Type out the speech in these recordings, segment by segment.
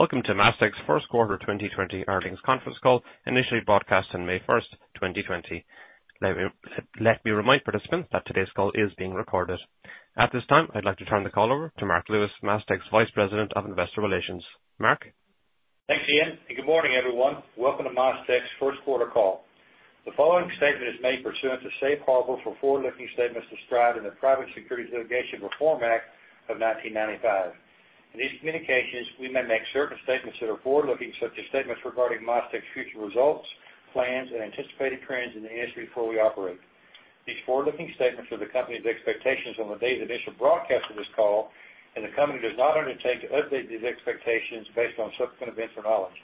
Welcome to MasTec's First Quarter 2020 Earnings Conference Call, initially broadcast on May 1st, 2020. Let me remind participants that today's call is being recorded. At this time, I'd like to turn the call over to Marc Lewis, MasTec's Vice President of Investor Relations. Mark? Thanks, Ian. Good morning, everyone. Welcome to MasTec's first quarter call. The following statement is made pursuant to Safe Harbor for forward-looking statements described in the Private Securities Litigation Reform Act of 1995. In these communications, we may make certain statements that are forward-looking, such as statements regarding MasTec's future results, plans, and anticipated trends in the industry before we operate. These forward-looking statements are the company's expectations on the date of issue broadcast of this call, and the company does not undertake to update these expectations based on subsequent events or knowledge.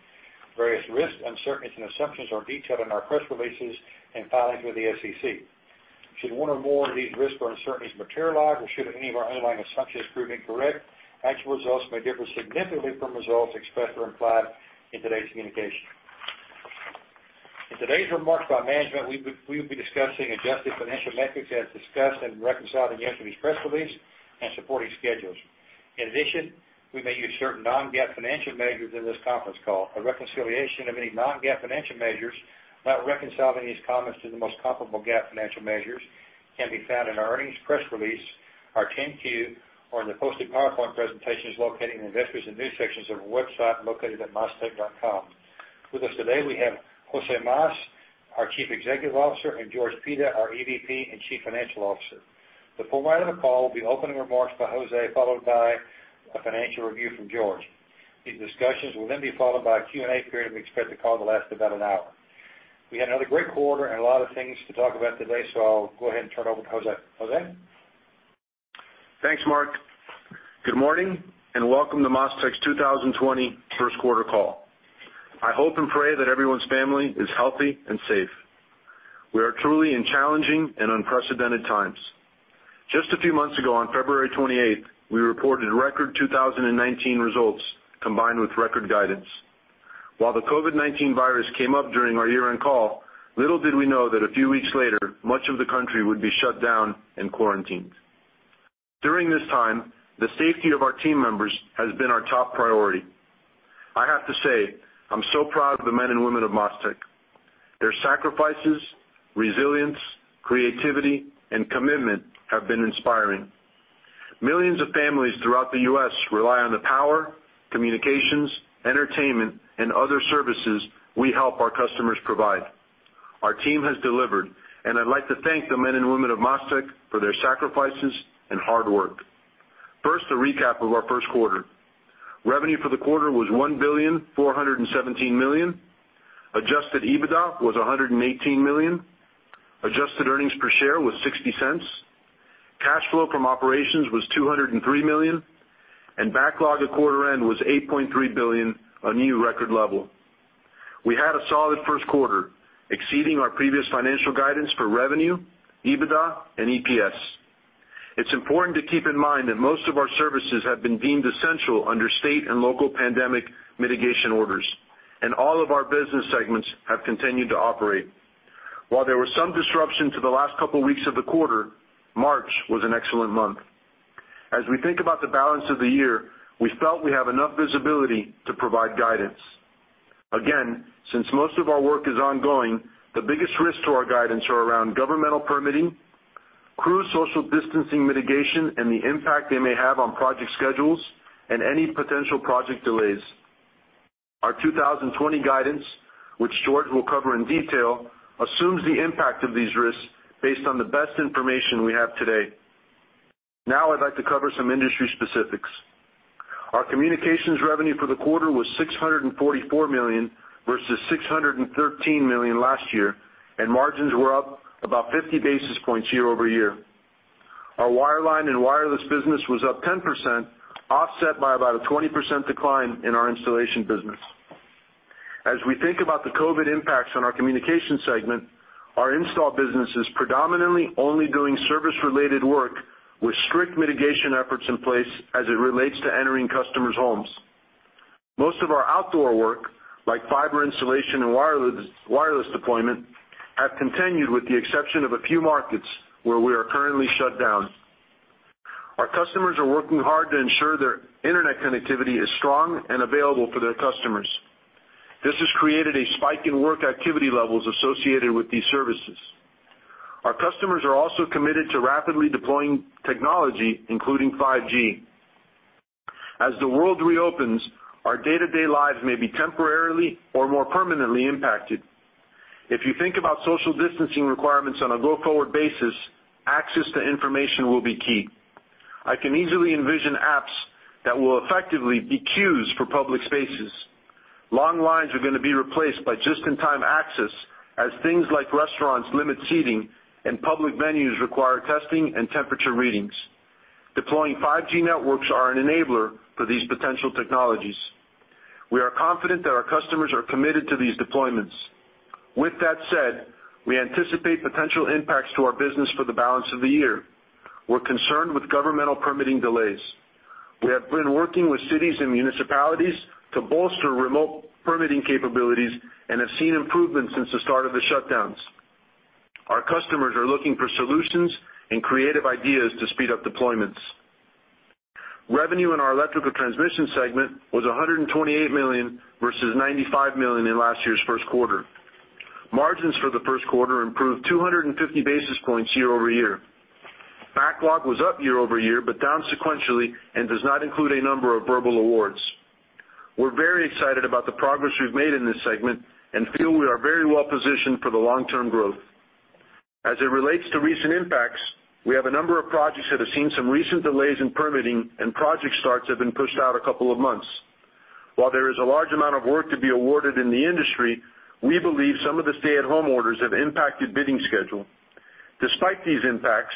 Various risks, uncertainties, and assumptions are detailed in our press releases and filings with the SEC. Should one or more of these risks or uncertainties materialize, or should any of our underlying assumptions prove incorrect, actual results may differ significantly from results expressed or implied in today's communication. In today's remarks by management, we will be discussing adjusted financial metrics as discussed and reconciling yesterday's press release and supporting schedules. A reconciliation of any non-GAAP financial measures, not reconciling these comments to the most comparable GAAP financial measures, can be found in our earnings press release, our 10-Q, or in the posted PowerPoint presentations located in the Investors and News sections of our website located at mastec.com. With us today, we have Jose Mas, our Chief Executive Officer, and George Pita, our EVP and Chief Financial Officer. The format of the call will be opening remarks by Jose, followed by a financial review from George. These discussions will then be followed by a Q&A period. We expect the call to last about an hour. We had another great quarter and a lot of things to talk about today, so I'll go ahead and turn it over to Jose. Jose? Thanks, Mark. Good morning, and welcome to MasTec's 2020 first quarter call. I hope and pray that everyone's family is healthy and safe. We are truly in challenging and unprecedented times. Just a few months ago, on February 28th, we reported record 2019 results, combined with record guidance. While the COVID-19 virus came up during our year-end call, little did we know that a few weeks later, much of the country would be shut down and quarantined. During this time, the safety of our team members has been our top priority. I have to say, I'm so proud of the men and women of MasTec. Their sacrifices, resilience, creativity, and commitment have been inspiring. Millions of families throughout the U.S. rely on the power, communications, entertainment, and other services we help our customers provide. Our team has delivered. I'd like to thank the men and women of MasTec for their sacrifices and hard work. First, a recap of our first quarter. Revenue for the quarter was $1.417 billion. Adjusted EBITDA was $118 million. Adjusted EPS was $0.60. Cash flow from operations was $203 million. Backlog at quarter end was $8.3 billion, a new record level. We had a solid first quarter, exceeding our previous financial guidance for revenue, EBITDA, and EPS. It's important to keep in mind that most of our services have been deemed essential under state and local pandemic mitigation orders. All of our business segments have continued to operate. While there was some disruption to the last couple weeks of the quarter, March was an excellent month. As we think about the balance of the year, we felt we have enough visibility to provide guidance. Since most of our work is ongoing, the biggest risks to our guidance are around governmental permitting, crew social distancing mitigation and the impact they may have on project schedules, and any potential project delays. Our 2020 guidance, which George will cover in detail, assumes the impact of these risks based on the best information we have today. I'd like to cover some industry specifics. Our communications revenue for the quarter was $644 million versus $613 million last year, and margins were up about 50 basis points year-over-year. Our wireline and wireless business was up 10%, offset by about a 20% decline in our installation business. As we think about the COVID-19 impacts on our communication segment, our install business is predominantly only doing service-related work with strict mitigation efforts in place as it relates to entering customers' homes. Most of our outdoor work, like fiber installation and wireless deployment, have continued, with the exception of a few markets where we are currently shut down. Our customers are working hard to ensure their internet connectivity is strong and available for their customers. This has created a spike in work activity levels associated with these services. Our customers are also committed to rapidly deploying technology, including 5G. As the world reopens, our day-to-day lives may be temporarily or more permanently impacted. If you think about social distancing requirements on a go-forward basis, access to information will be key. I can easily envision apps that will effectively be queues for public spaces. Long lines are gonna be replaced by just-in-time access, as things like restaurants limit seating and public venues require testing and temperature readings. Deploying 5G networks are an enabler for these potential technologies. We are confident that our customers are committed to these deployments. With that said, we anticipate potential impacts to our business for the balance of the year. We're concerned with governmental permitting delays. We have been working with cities and municipalities to bolster remote permitting capabilities and have seen improvements since the start of the shutdowns. Our customers are looking for solutions and creative ideas to speed up deployments. Revenue in our electrical transmission segment was $128 million, versus $95 million in last year's first quarter. Margins for the first quarter improved 250 basis points year-over-year. Backlog was up year-over-year, but down sequentially, and does not include a number of verbal awards. We're very excited about the progress we've made in this segment and feel we are very well positioned for the long-term growth. As it relates to recent impacts, we have a number of projects that have seen some recent delays in permitting, and project starts have been pushed out a couple of months. While there is a large amount of work to be awarded in the industry, we believe some of the stay-at-home orders have impacted bidding schedule. Despite these impacts,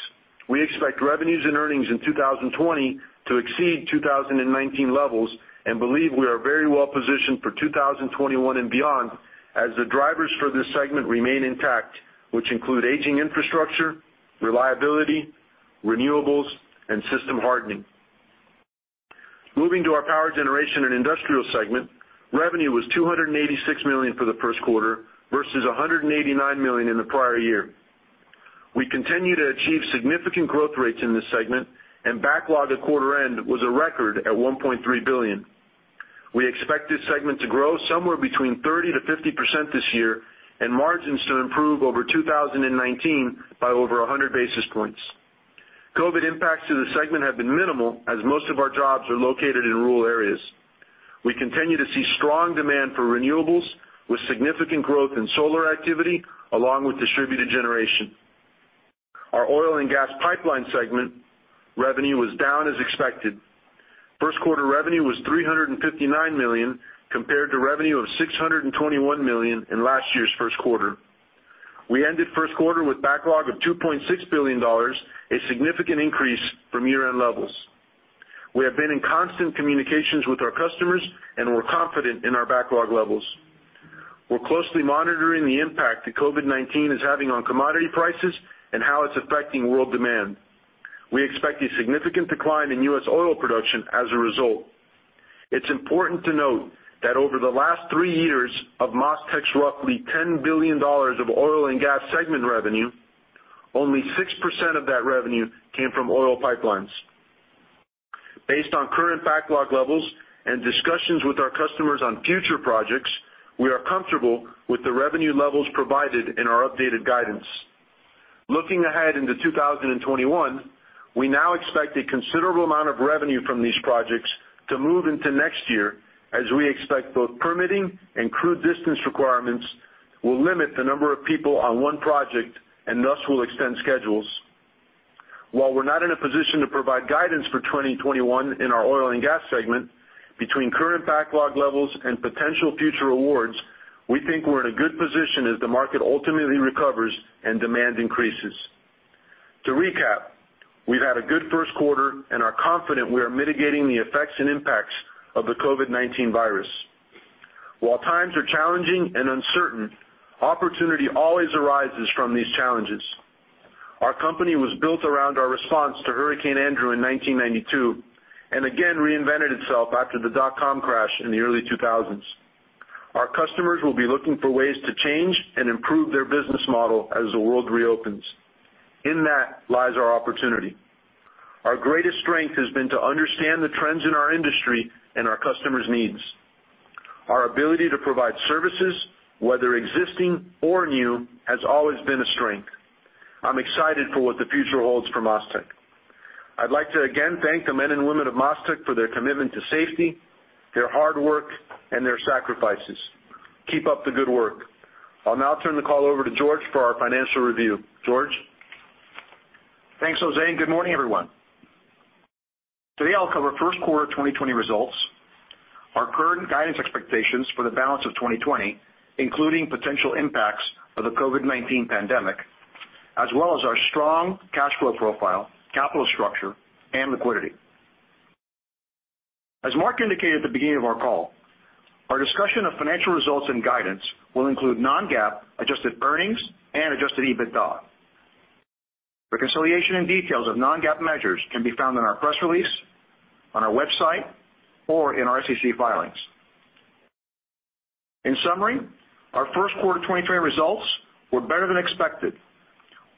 we expect revenues and earnings in 2020 to exceed 2019 levels, and believe we are very well positioned for 2021 and beyond, as the drivers for this segment remain intact, which include aging infrastructure, reliability, renewables, and system hardening. Moving to our power generation and industrial segment, revenue was $286 million for the first quarter, versus $189 million in the prior year. We continue to achieve significant growth rates in this segment, and backlog at quarter end was a record at $1.3 billion. We expect this segment to grow somewhere between 30%-50% this year, and margins to improve over 2019 by over 100 basis points. COVID-19 impacts to the segment have been minimal, as most of our jobs are located in rural areas. We continue to see strong demand for renewables, with significant growth in solar activity along with distributed generation. Our oil and gas pipeline segment revenue was down as expected. First quarter revenue was $359 million, compared to revenue of $621 million in last year's first quarter. We ended first quarter with backlog of $2.6 billion, a significant increase from year-end levels. We have been in constant communications with our customers, and we're confident in our backlog levels. We're closely monitoring the impact that COVID-19 is having on commodity prices and how it's affecting world demand. We expect a significant decline in US oil production as a result. It's important to note that over the last three years of MasTec's roughly $10 billion of oil and gas segment revenue, only 6% of that revenue came from oil pipelines. Based on current backlog levels and discussions with our customers on future projects, we are comfortable with the revenue levels provided in our updated guidance. Looking ahead into 2021, we now expect a considerable amount of revenue from these projects to move into next year, as we expect both permitting and crew distance requirements will limit the number of people on one project and thus will extend schedules. While we're not in a position to provide guidance for 2021 in our oil and gas segment, between current backlog levels and potential future awards, we think we're in a good position as the market ultimately recovers and demand increases. To recap, we've had a good first quarter and are confident we are mitigating the effects and impacts of the COVID-19 virus. While times are challenging and uncertain, opportunity always arises from these challenges. Our company was built around our response to Hurricane Andrew in 1992, and again reinvented itself after the dot-com crash in the early 2000s. Our customers will be looking for ways to change and improve their business model as the world reopens. In that lies our opportunity. Our greatest strength has been to understand the trends in our industry and our customers' needs. Our ability to provide services, whether existing or new, has always been a strength. I'm excited for what the future holds for MasTec. I'd like to again thank the men and women of MasTec for their commitment to safety, their hard work, and their sacrifices. Keep up the good work. I'll now turn the call over to George for our financial review. George? Thanks, Jose. Good morning, everyone. Today, I'll cover first quarter 2020 results, our current guidance expectations for the balance of 2020, including potential impacts of the COVID-19 pandemic, as well as our strong cash flow profile, capital structure, and liquidity. As Mark indicated at the beginning of our call, our discussion of financial results and guidance will include non-GAAP adjusted earnings and adjusted EBITDA. Reconciliation and details of non-GAAP measures can be found in our press release, on our website, or in our SEC filings. In summary, our first quarter 2020 results were better than expected,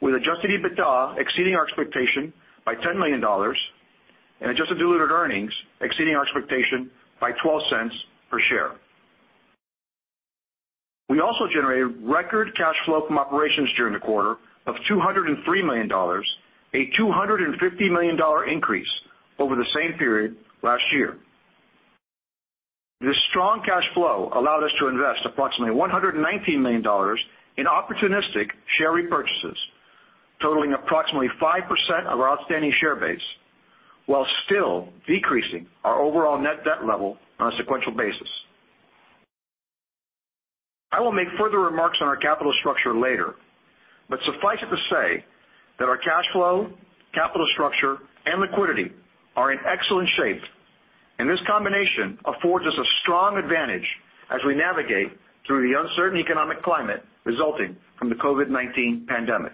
with adjusted EBITDA exceeding our expectation by $10 million and adjusted diluted earnings exceeding our expectation by $0.12 per share. We also generated record cash flow from operations during the quarter of $203 million, a $250 million increase over the same period last year. This strong cash flow allowed us to invest approximately $119 million in opportunistic share repurchases, totaling approximately 5% of our outstanding share base, while still decreasing our overall net debt level on a sequential basis. I will make further remarks on our capital structure later. Suffice it to say that our cash flow, capital structure, and liquidity are in excellent shape, this combination affords us a strong advantage as we navigate through the uncertain economic climate resulting from the COVID-19 pandemic.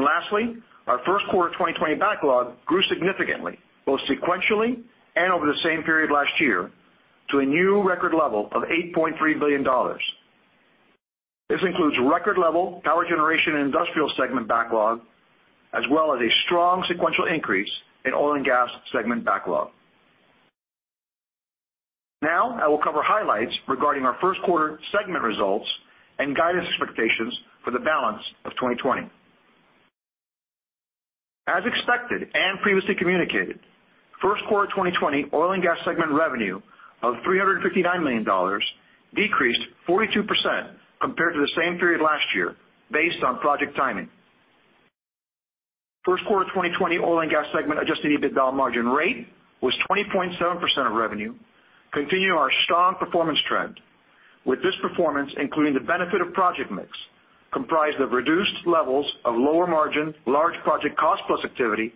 Lastly, our first quarter 2020 backlog grew significantly, both sequentially and over the same period last year, to a new record level of $8.3 billion. This includes record level power generation and industrial segment backlog, as well as a strong sequential increase in oil and gas segment backlog. I will cover highlights regarding our first quarter segment results and guidance expectations for the balance of 2020. As expected and previously communicated, first quarter 2020 oil and gas segment revenue of $359 million decreased 42% compared to the same period last year based on project timing. First quarter 2020 oil and gas segment adjusted EBITDA margin rate was 20.7% of revenue, continuing our strong performance trend, with this performance including the benefit of project mix, comprised of reduced levels of lower margin, large project cost plus activity,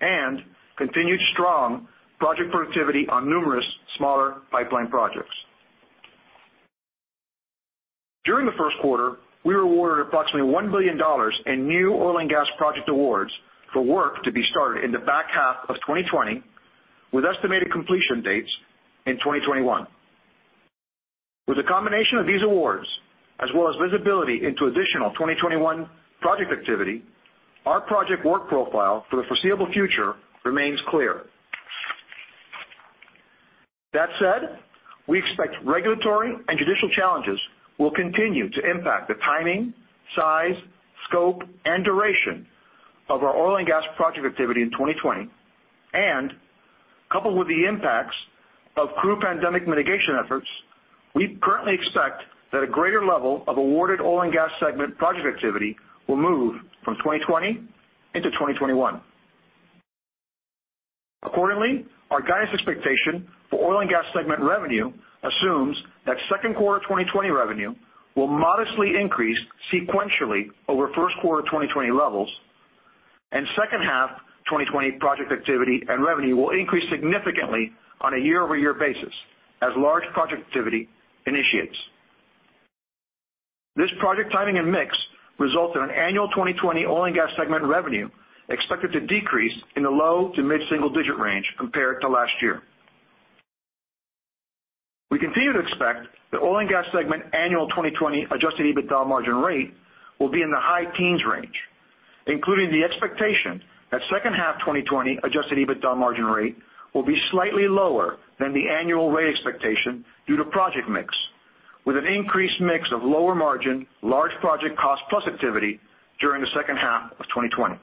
and continued strong project productivity on numerous smaller pipeline projects. During the first quarter, we were awarded approximately $1 billion in new oil and gas project awards for work to be started in the back half of 2020, with estimated completion dates in 2021. With a combination of these awards, as well as visibility into additional 2021 project activity, our project work profile for the foreseeable future remains clear. That said, we expect regulatory and judicial challenges will continue to impact the timing, size, scope, and duration of our oil and gas project activity in 2020. Coupled with the impacts of crew pandemic mitigation efforts, we currently expect that a greater level of awarded oil and gas segment project activity will move from 2020 into 2021. Accordingly, our guidance expectation for oil and gas segment revenue assumes that 2Q 2020 revenue will modestly increase sequentially over first quarter 2020 levels, and second half 2020 project activity and revenue will increase significantly on a year-over-year basis as large project activity initiates. This project timing and mix result in an annual 2020 oil and gas segment revenue expected to decrease in the low to mid-single digit range compared to last year. We continue to expect the oil and gas segment annual 2020 adjusted EBITDA margin rate will be in the high teens range, including the expectation that second half 2020 adjusted EBITDA margin rate will be slightly lower than the annual rate expectation due to project mix, with an increased mix of lower margin, large project cost plus activity during the second half 2020.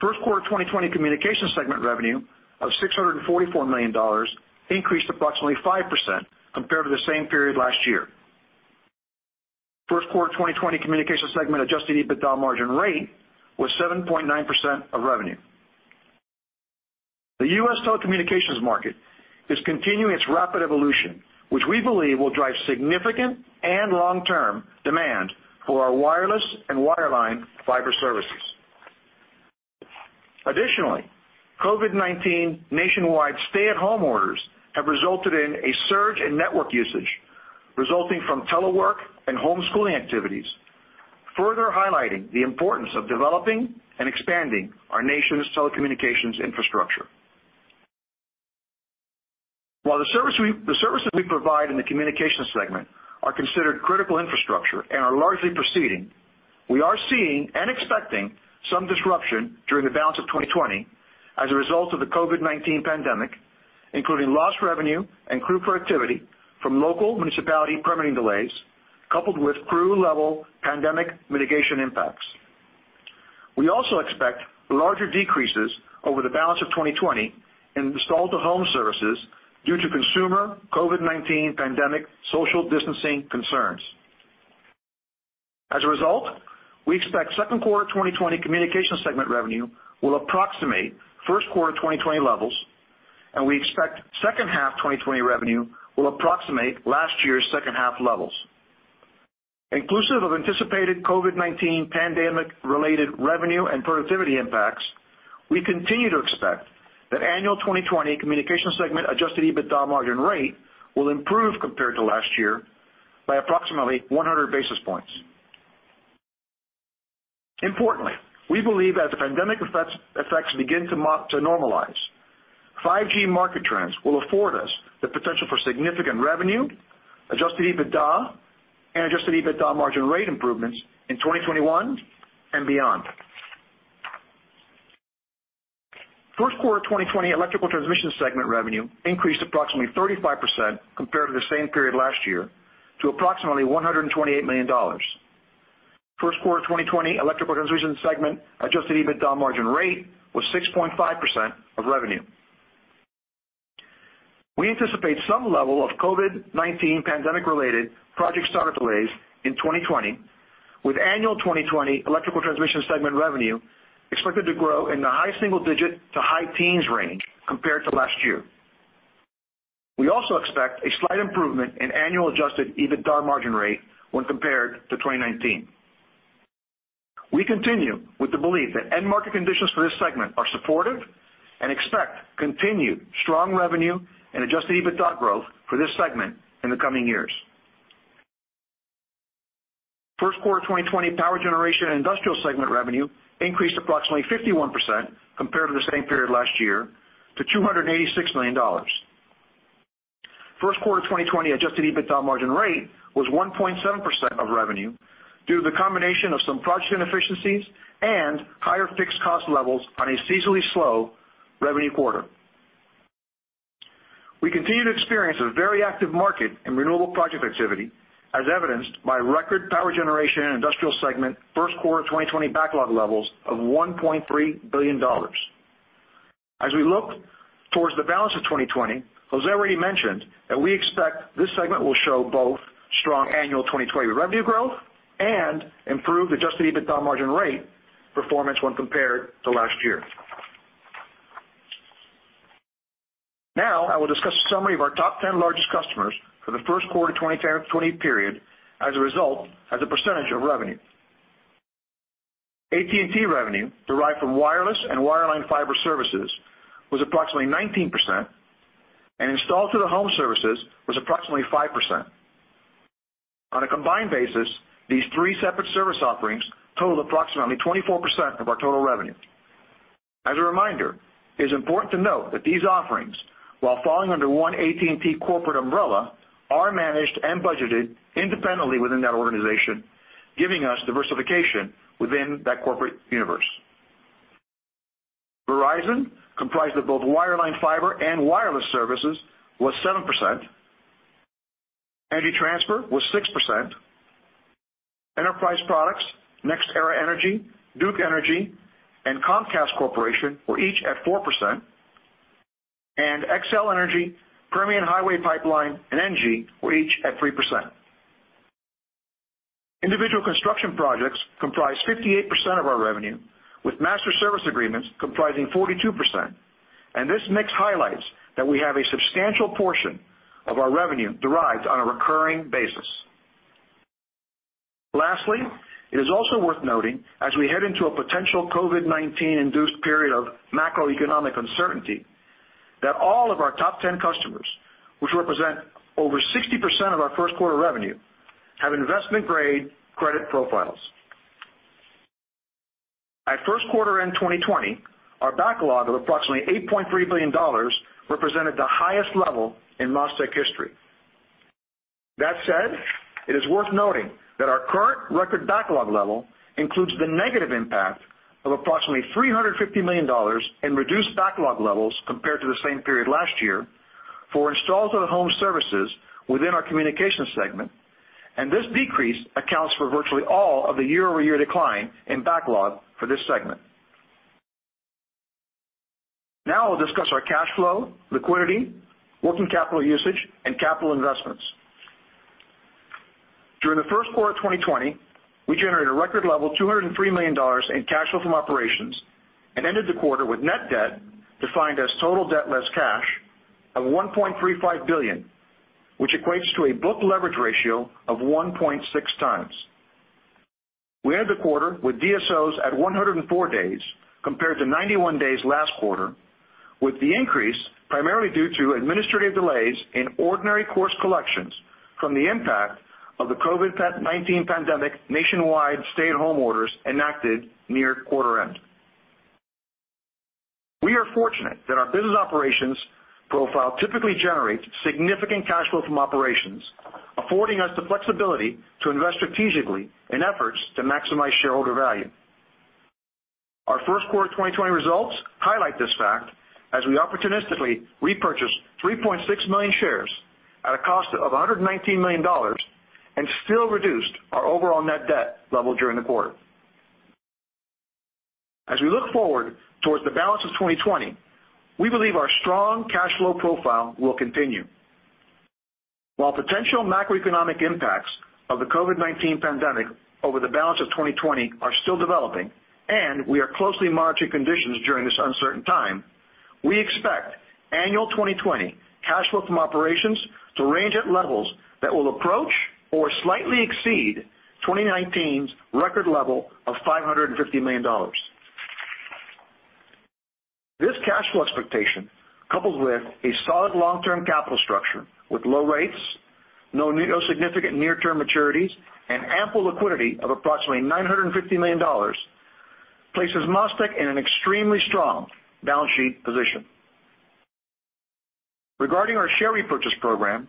First quarter 2020 communication segment revenue of $644 million increased approximately 5% compared to the same period last year. First quarter 2020 communication segment adjusted EBITDA margin rate was 7.9% of revenue. The U.S. telecommunications market is continuing its rapid evolution, which we believe will drive significant and long-term demand for our wireless and wireline fiber services. COVID-19 nationwide stay-at-home orders have resulted in a surge in network usage, resulting from telework and homeschooling activities, further highlighting the importance of developing and expanding our nation's telecommunications infrastructure. While the services we provide in the communication segment are considered critical infrastructure and are largely proceeding, we are seeing and expecting some disruption during the balance of 2020 as a result of the COVID-19 pandemic, including lost revenue and crew productivity from local municipality permitting delays, coupled with crew-level pandemic mitigation impacts. We also expect larger decreases over the balance of 2020 in install-to-home services due to consumer COVID-19 pandemic social distancing concerns. As a result, we expect second quarter 2020 communication segment revenue will approximate first quarter 2020 levels, and we expect second half 2020 revenue will approximate last year's second half levels. Inclusive of anticipated COVID-19 pandemic-related revenue and productivity impacts, we continue to expect that annual 2020 communication segment adjusted EBITDA margin rate will improve compared to last year by approximately 100 basis points. Importantly, we believe as the pandemic effects begin to normalize, 5G market trends will afford us the potential for significant revenue, adjusted EBITDA and adjusted EBITDA margin rate improvements in 2021 and beyond. First quarter 2020 electrical transmission segment revenue increased approximately 35% compared to the same period last year to approximately $128 million. First quarter 2020 electrical transmission segment adjusted EBITDA margin rate was 6.5% of revenue. We anticipate some level of COVID-19 pandemic-related project starter delays in 2020, with annual 2020 electrical transmission segment revenue expected to grow in the high single-digit to high teens range compared to last year. We also expect a slight improvement in annual adjusted EBITDA margin rate when compared to 2019. We continue with the belief that end market conditions for this segment are supportive and expect continued strong revenue and adjusted EBITDA growth for this segment in the coming years. First quarter 2020 power generation and industrial segment revenue increased approximately 51% compared to the same period last year to $286 million. First quarter 2020 adjusted EBITDA margin rate was 1.7% of revenue due to the combination of some project inefficiencies and higher fixed cost levels on a seasonally slow revenue quarter. We continue to experience a very active market in renewable project activity, as evidenced by record power generation and industrial segment first quarter 2020 backlog levels of $1.3 billion. As we look towards the balance of 2020, Jose already mentioned that we expect this segment will show both strong annual 2020 revenue growth and improved adjusted EBITDA margin rate performance when compared to last year. I will discuss a summary of our top 10 largest customers for the first quarter 2020 period as a result, as a percentage of revenue. AT&T revenue derived from wireless and wireline fiber services was approximately 19%, and installed to the home services was approximately 5%. On a combined basis, these three separate service offerings totaled approximately 24% of our total revenue. As a reminder, it is important to note that these offerings, while falling under one AT&T corporate umbrella, are managed and budgeted independently within that organization, giving us diversification within that corporate universe. Verizon, comprised of both wireline, fiber, and wireless services, was 7%. Energy Transfer was 6%. Enterprise Products, NextEra Energy, Duke Energy, and Comcast Corporation were each at 4%. Xcel Energy, Permian Highway Pipeline, and ENGIE were each at 3%. Individual construction projects comprise 58% of our revenue, with master service agreements comprising 42%. This mix highlights that we have a substantial portion of our revenue derived on a recurring basis. Lastly, it is also worth noting, as we head into a potential COVID-19-induced period of macroeconomic uncertainty, that all of our top 10 customers, which represent over 60% of our first quarter revenue, have investment-grade credit profiles. At first quarter-end 2020, our backlog of approximately $8.3 billion represented the highest level in MasTec history. That said, it is worth noting that our current record backlog level includes the negative impact of approximately $350 million in reduced backlog levels compared to the same period last year for installs of the home services within our communication segment. This decrease accounts for virtually all of the year-over-year decline in backlog for this segment. I'll discuss our cash flow, liquidity, working capital usage, and capital investments. During the first quarter of 2020, we generated a record level, $203 million, in cash flow from operations and ended the quarter with net debt, defined as total debt less cash, of $1.35 billion, which equates to a book leverage ratio of 1.6 times. We ended the quarter with DSOs at 104 days, compared to 91 days last quarter, with the increase primarily due to administrative delays in ordinary course collections from the impact of the COVID-19 pandemic nationwide stay-at-home orders enacted near quarter-end. We are fortunate that our business operations profile typically generates significant cash flow from operations, affording us the flexibility to invest strategically in efforts to maximize shareholder value. Our first quarter 2020 results highlight this fact as we opportunistically repurchased 3.6 million shares at a cost of $119 million and still reduced our overall net debt level during the quarter. We look forward towards the balance of 2020, we believe our strong cash flow profile will continue. While potential macroeconomic impacts of the COVID-19 pandemic over the balance of 2020 are still developing, and we are closely monitoring conditions during this uncertain time, we expect annual 2020 cash flow from operations to range at levels that will approach or slightly exceed 2019's record level of $550 million. This cash flow expectation, coupled with a solid long-term capital structure with low rates, no significant near-term maturities, and ample liquidity of approximately $950 million, places MasTec in an extremely strong balance sheet position. Regarding our share repurchase program,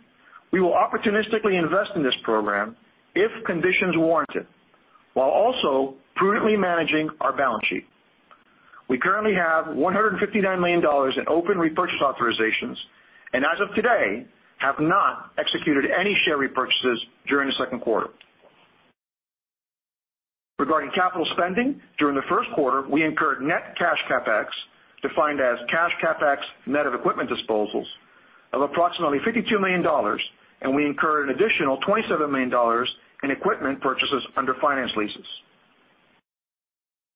we will opportunistically invest in this program if conditions warrant it, while also prudently managing our balance sheet. We currently have $159 million in open repurchase authorizations, and as of today, have not executed any share repurchases during the second quarter. Regarding capital spending, during the first quarter, we incurred net cash CapEx, defined as cash CapEx net of equipment disposals, of approximately $52 million, and we incurred an additional $27 million in equipment purchases under finance leases.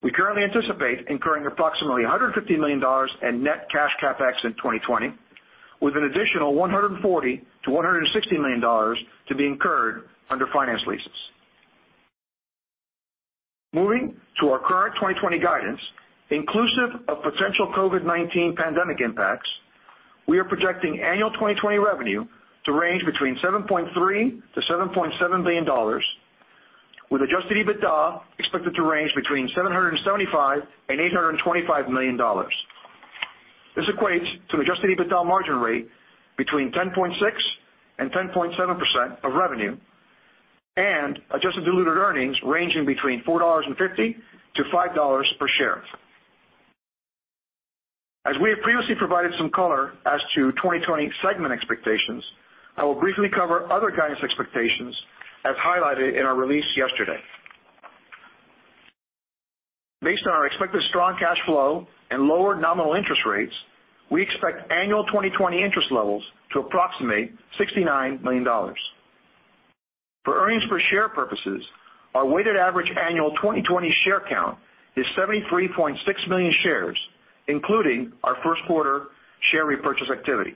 We currently anticipate incurring approximately $150 million in net cash CapEx in 2020, with an additional $140 million-$160 million to be incurred under finance leases. Moving to our current 2020 guidance, inclusive of potential COVID-19 pandemic impacts, we are projecting annual 2020 revenue to range between $7.3 billion-$7.7 billion, with adjusted EBITDA expected to range between $775 million and $825 million. This equates to an adjusted EBITDA margin rate between 10.6% and 10.7% of revenue, and adjusted diluted earnings ranging between $4.50 and $5.00 per share. As we have previously provided some color as to 2020 segment expectations, I will briefly cover other guidance expectations as highlighted in our release yesterday. Based on our expected strong cash flow and lower nominal interest rates, we expect annual 2020 interest levels to approximate $69 million. For EPS purposes, our weighted average annual 2020 share count is 73.6 million shares, including our first quarter share repurchase activity.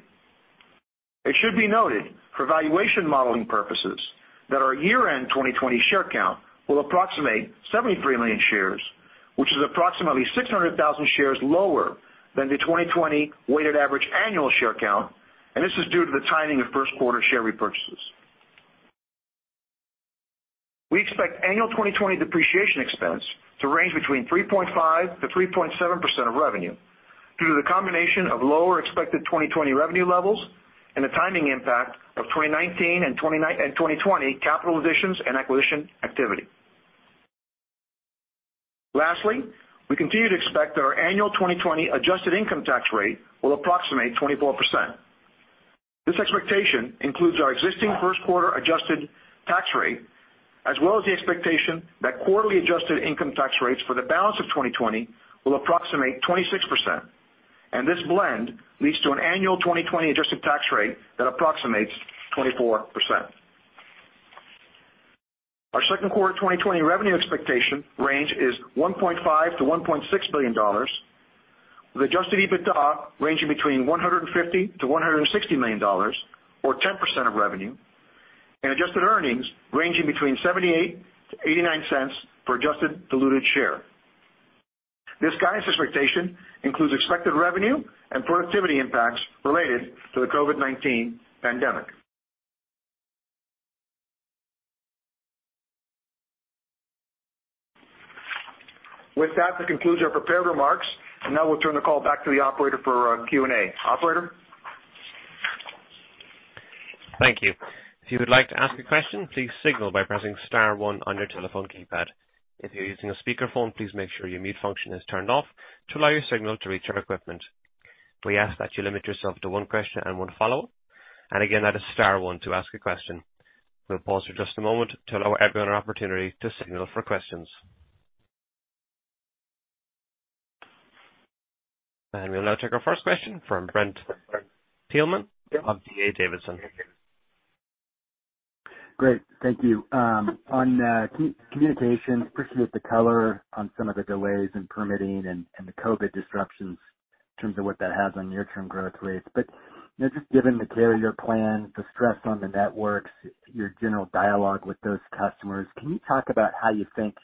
It should be noted, for valuation modeling purposes, that our year-end 2020 share count will approximate 73 million shares, which is approximately 600,000 shares lower than the 2020 weighted average annual share count. This is due to the timing of first quarter share repurchases. We expect annual 2020 depreciation expense to range between 3.5%-3.7% of revenue, due to the combination of lower expected 2020 revenue levels and the timing impact of 2019 and 2020 capital additions and acquisition activity. Lastly, we continue to expect that our annual 2020 adjusted income tax rate will approximate 24%. This expectation includes our existing first quarter adjusted tax rate, as well as the expectation that quarterly adjusted income tax rates for the balance of 2020 will approximate 26%. This blend leads to an annual 2020 adjusted tax rate that approximates 24%. Our second quarter 2020 revenue expectation range is $1.5 billion-$1.6 billion, with adjusted EBITDA ranging between $150 million-$160 million, or 10% of revenue, and adjusted earnings ranging between $0.78-$0.89 per adjusted diluted share. This guidance expectation includes expected revenue and productivity impacts related to the COVID-19 pandemic. With that, this concludes our prepared remarks. Now we'll turn the call back to the operator for Q&A. Operator? Thank you. If you would like to ask a question, please signal by pressing star one on your telephone keypad. If you're using a speakerphone, please make sure your mute function is turned off to allow your signal to reach our equipment. We ask that you limit yourself to one question and one follow-up, and again, that is star one to ask a question. We'll pause for just a moment to allow everyone an opportunity to signal for questions. We'll now take our first question from Brent Thielman of D.A. Davidson. Great, thank you. On communication, appreciate the color on some of the delays in permitting and the COVID disruptions in terms of what that has on near-term growth rates. You know, just given the carrier plan, the stress on the networks, your general dialogue with those customers, can you talk about how you think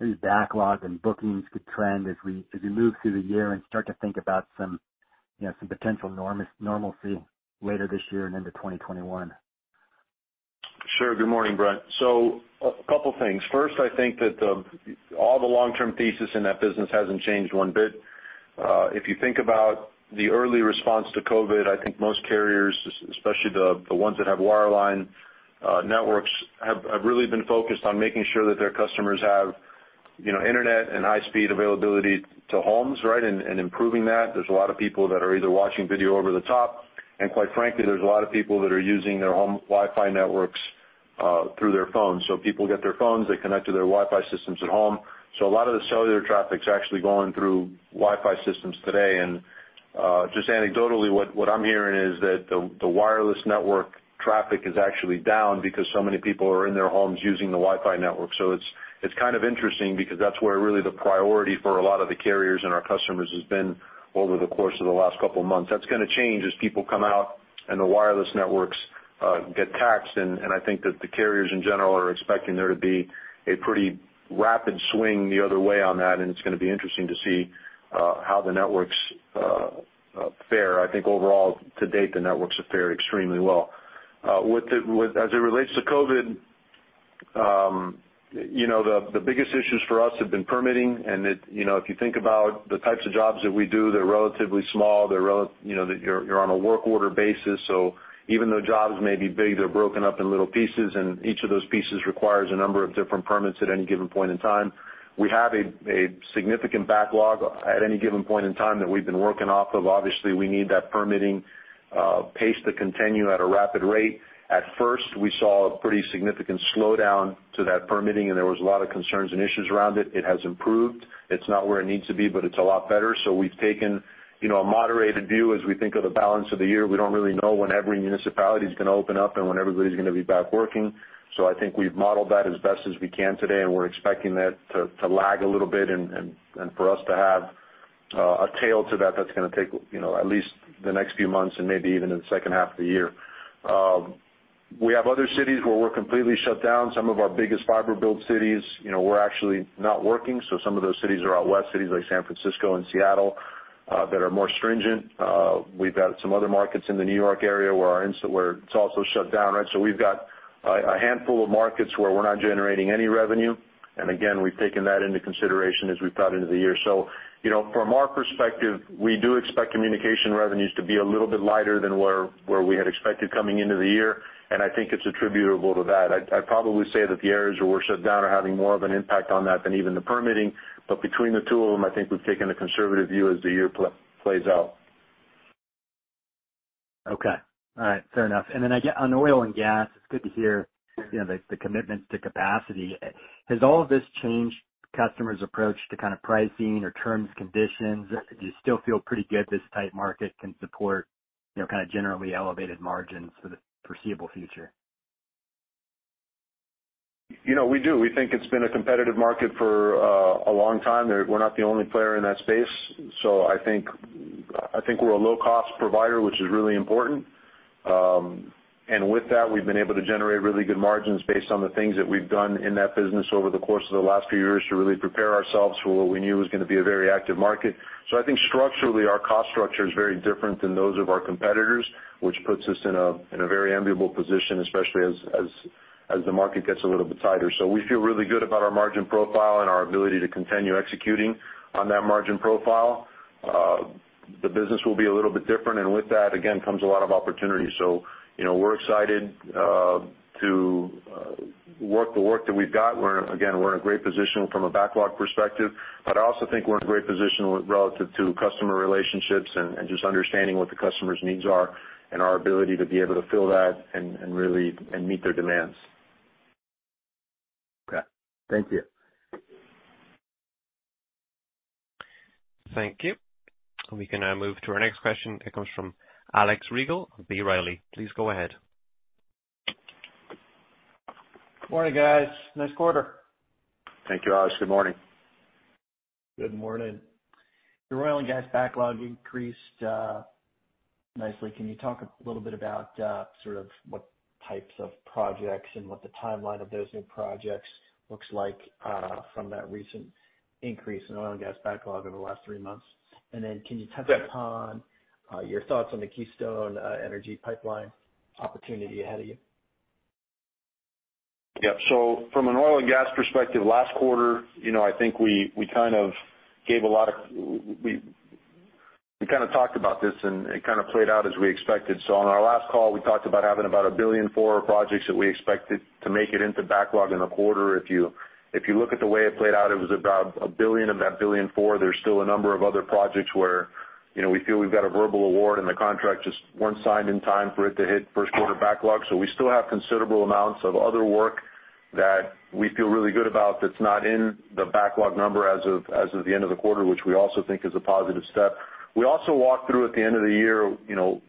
these backlogs and bookings could trend as we move through the year and start to think about some, you know, some potential normalcy later this year and into 2021? Sure. Good morning, Brent. A couple things. First, I think that all the long-term thesis in that business hasn't changed one bit. If you think about the early response to COVID-19, I think most carriers, especially the ones that have wireline networks, have really been focused on making sure that their customers have, you know, internet and high-speed availability to homes, right? Improving that. There's a lot of people that are either watching video over the top, and quite frankly, there's a lot of people that are using their home Wi-Fi networks through their phones. People get their phones, they connect to their Wi-Fi systems at home. A lot of the cellular traffic's actually going through Wi-Fi systems today. Just anecdotally, what I'm hearing is that the wireless network traffic is actually down because so many people are in their homes using the Wi-Fi network. It's kind of interesting because that's where really the priority for a lot of the carriers and our customers has been over the course of the last couple of months. That's gonna change as people come out and the wireless networks get taxed, and I think that the carriers in general are expecting there to be a pretty rapid swing the other way on that, and it's gonna be interesting to see how the networks fare. I think overall, to date, the networks have fared extremely well. As it relates to COVID, you know, the biggest issues for us have been permitting and it... You know, if you think about the types of jobs that we do, they're relatively small. You know, you're on a work order basis. Even though jobs may be big, they're broken up in little pieces, and each of those pieces requires a number of different permits at any given point in time. We have a significant backlog at any given point in time that we've been working off of. Obviously, we need that permitting pace to continue at a rapid rate. At first, we saw a pretty significant slowdown to that permitting. There was a lot of concerns and issues around it. It has improved. It's not where it needs to be, but it's a lot better. We've taken, you know, a moderated view as we think of the balance of the year. We don't really know when every municipality is gonna open up and when everybody's gonna be back working. I think we've modeled that as best as we can today, and we're expecting that to lag a little bit and for us to have a tail to that's gonna take, you know, at least the next few months and maybe even in the second half of the year. We have other cities where we're completely shut down. Some of our biggest fiber build cities, you know, we're actually not working, so some of those cities are out west, cities like San Francisco and Seattle, that are more stringent. We've got some other markets in the New York area where it's also shut down, right? We've got a handful of markets where we're not generating any revenue, and again, we've taken that into consideration as we've thought into the year. You know, from our perspective, we do expect communication revenues to be a little bit lighter than where we had expected coming into the year, and I think it's attributable to that. I'd probably say that the areas where we're shut down are having more of an impact on that than even the permitting, but between the two of them, I think we've taken a conservative view as the year plays out. Okay. All right, fair enough. Then on oil and gas, it's good to hear, you know, the commitment to capacity. Has all of this changed customers' approach to kind of pricing or terms, conditions? Do you still feel pretty good this tight market can support, you know, kind of generally elevated margins for the foreseeable future? You know, we do. We think it's been a competitive market for a long time. We're not the only player in that space, so I think we're a low-cost provider, which is really important. And with that, we've been able to generate really good margins based on the things that we've done in that business over the course of the last few years to really prepare ourselves for what we knew was gonna be a very active market. I think structurally, our cost structure is very different than those of our competitors, which puts us in a, in a very amiable position, especially as the market gets a little bit tighter. We feel really good about our margin profile and our ability to continue executing on that margin profile. The business will be a little bit different. With that, again, comes a lot of opportunity. You know, we're excited to work the work that we've got. Again, we're in a great position from a backlog perspective. I also think we're in a great position with relative to customer relationships and just understanding what the customer's needs are and our ability to be able to fill that and really meet their demands. Okay. Thank you. Thank you. We can now move to our next question. It comes from Alex Rygiel of B. Riley. Please go ahead. Morning, guys. Nice quarter. Thank you, Alex. Good morning. Good morning. Your oil and gas backlog increased, nicely. Can you talk a little bit about, sort of what types of projects and what the timeline of those new projects looks like, from that recent increase in oil and gas backlog over the last three months? Then, can you touch upon- Yep. your thoughts on the Keystone energy pipeline opportunity ahead of you? Yep. From an oil and gas perspective, last quarter, you know, I think we kind of gave a lot of... we kind of talked about this, it kind of played out as we expected. On our last call, we talked about having about $1 billion for projects that we expected to make it into backlog in the quarter. If you look at the way it played out, it was about $1 billion of that $1.4 billion. There's still a number of other projects where, you know, we feel we've got a verbal award, the contract just weren't signed in time for it to hit first quarter backlog. We still have considerable amounts of other work that we feel really good about, that's not in the backlog number as of the end of the quarter, which we also think is a positive step. We also walked through, at the end of the year, you know,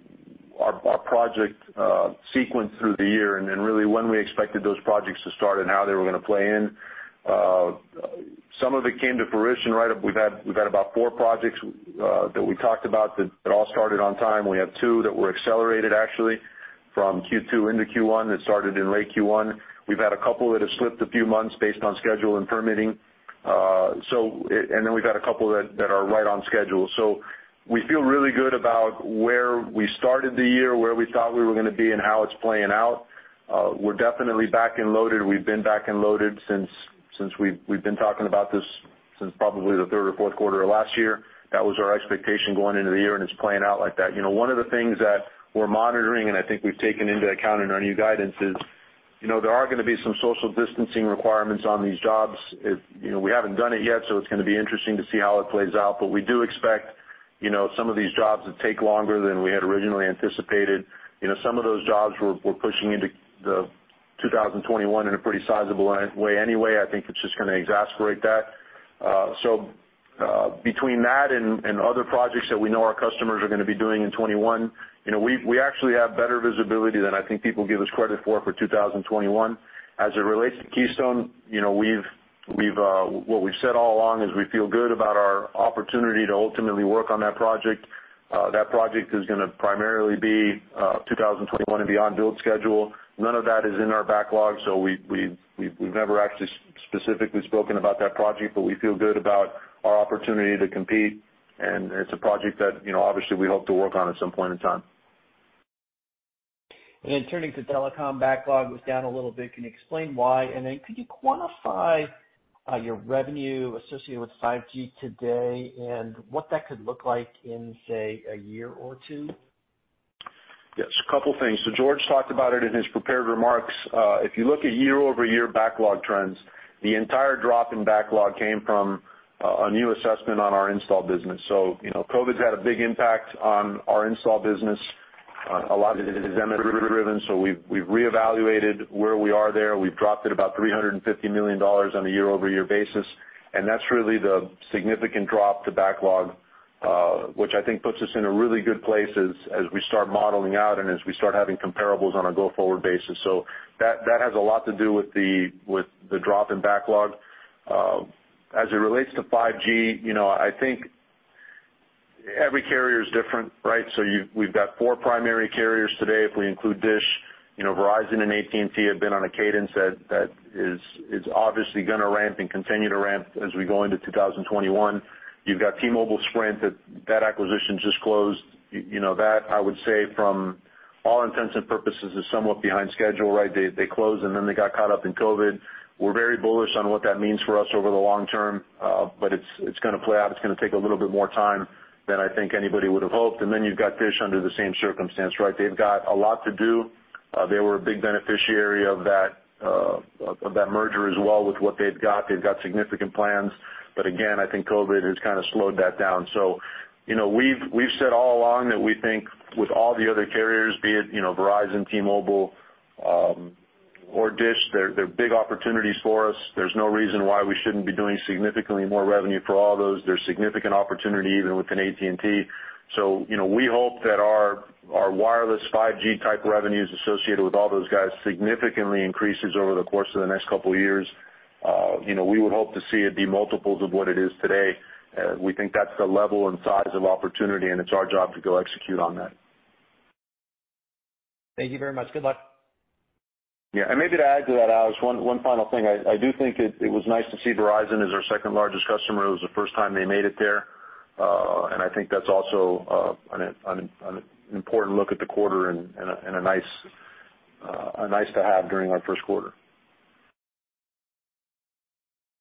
our project sequence through the year, and then really when we expected those projects to start and how they were gonna play in. Some of it came to fruition, right? We've had about four projects that we talked about that all started on time. We had two that were accelerated actually, from Q2 into Q1, that started in late Q1. We've had a couple that have slipped a few months based on schedule and permitting. We've had a couple that are right on schedule. We feel really good about where we started the year, where we thought we were gonna be, and how it's playing out. We're definitely back and loaded. We've been back and loaded since we've been talking about this since probably the third or fourth quarter of last year. That was our expectation going into the year, and it's playing out like that. You know, one of the things that we're monitoring, and I think we've taken into account in our new guidance, is, you know, there are gonna be some social distancing requirements on these jobs. It, you know, we haven't done it yet, so it's gonna be interesting to see how it plays out, but we do expect, you know, some of these jobs to take longer than we had originally anticipated. You know, some of those jobs were pushing into the 2021 in a pretty sizable way anyway. I think it's just gonna exacerbate that. Between that and other projects that we know our customers are gonna be doing in 2021, you know, we actually have better visibility than I think people give us credit for 2021. As it relates to Keystone, you know, we've what we've said all along is we feel good about our opportunity to ultimately work on that project. That project is gonna primarily be 2021 and beyond build schedule. None of that is in our backlog, so we've never actually specifically spoken about that project, but we feel good about our opportunity to compete, and it's a project that, you know, obviously, we hope to work on at some point in time. Turning to telecom, backlog was down a little bit. Can you explain why? Could you quantify your revenue associated with 5G today and what that could look like in, say, a year or two? Yes, a couple things. George talked about it in his prepared remarks. If you look at year-over-year backlog trends, the entire drop in backlog came from a new assessment on our install business. You know, COVID's had a big impact on our install business. A lot of it is demand driven, so we've reevaluated where we are there. We've dropped it about $350 million on a year-over-year basis, and that's really the significant drop to backlog, which I think puts us in a really good place as we start modeling out and as we start having comparables on a go-forward basis. That has a lot to do with the drop in backlog. As it relates to 5G, you know, I think. Every carrier is different, right? We've got four primary carriers today, if we include Dish. You know, Verizon and AT&T have been on a cadence that is obviously gonna ramp and continue to ramp as we go into 2021. You've got T-Mobile, Sprint, that acquisition just closed. You know, that, I would say from all intents and purposes, is somewhat behind schedule, right? They closed, and then they got caught up in COVID. We're very bullish on what that means for us over the long term, but it's gonna play out. It's gonna take a little bit more time than I think anybody would have hoped. Then you've got Dish under the same circumstance, right? They've got a lot to do. They were a big beneficiary of that, of that merger as well with what they've got. They've got significant plans, but again, I think COVID has kind of slowed that down. You know, we've said all along that we think with all the other carriers, be it, you know, Verizon, T-Mobile, or Dish, they're big opportunities for us. There's no reason why we shouldn't be doing significantly more revenue for all those. There's significant opportunity even within AT&T. You know, we hope that our wireless 5G type revenues associated with all those guys significantly increases over the course of the next couple of years. You know, we would hope to see it be multiples of what it is today. We think that's the level and size of opportunity, and it's our job to go execute on that. Thank you very much. Good luck. Yeah, maybe to add to that, Alex, one final thing. I do think it was nice to see Verizon as our second largest customer. It was the first time they made it there. I think that's also an important look at the quarter and a nice to have during our first quarter.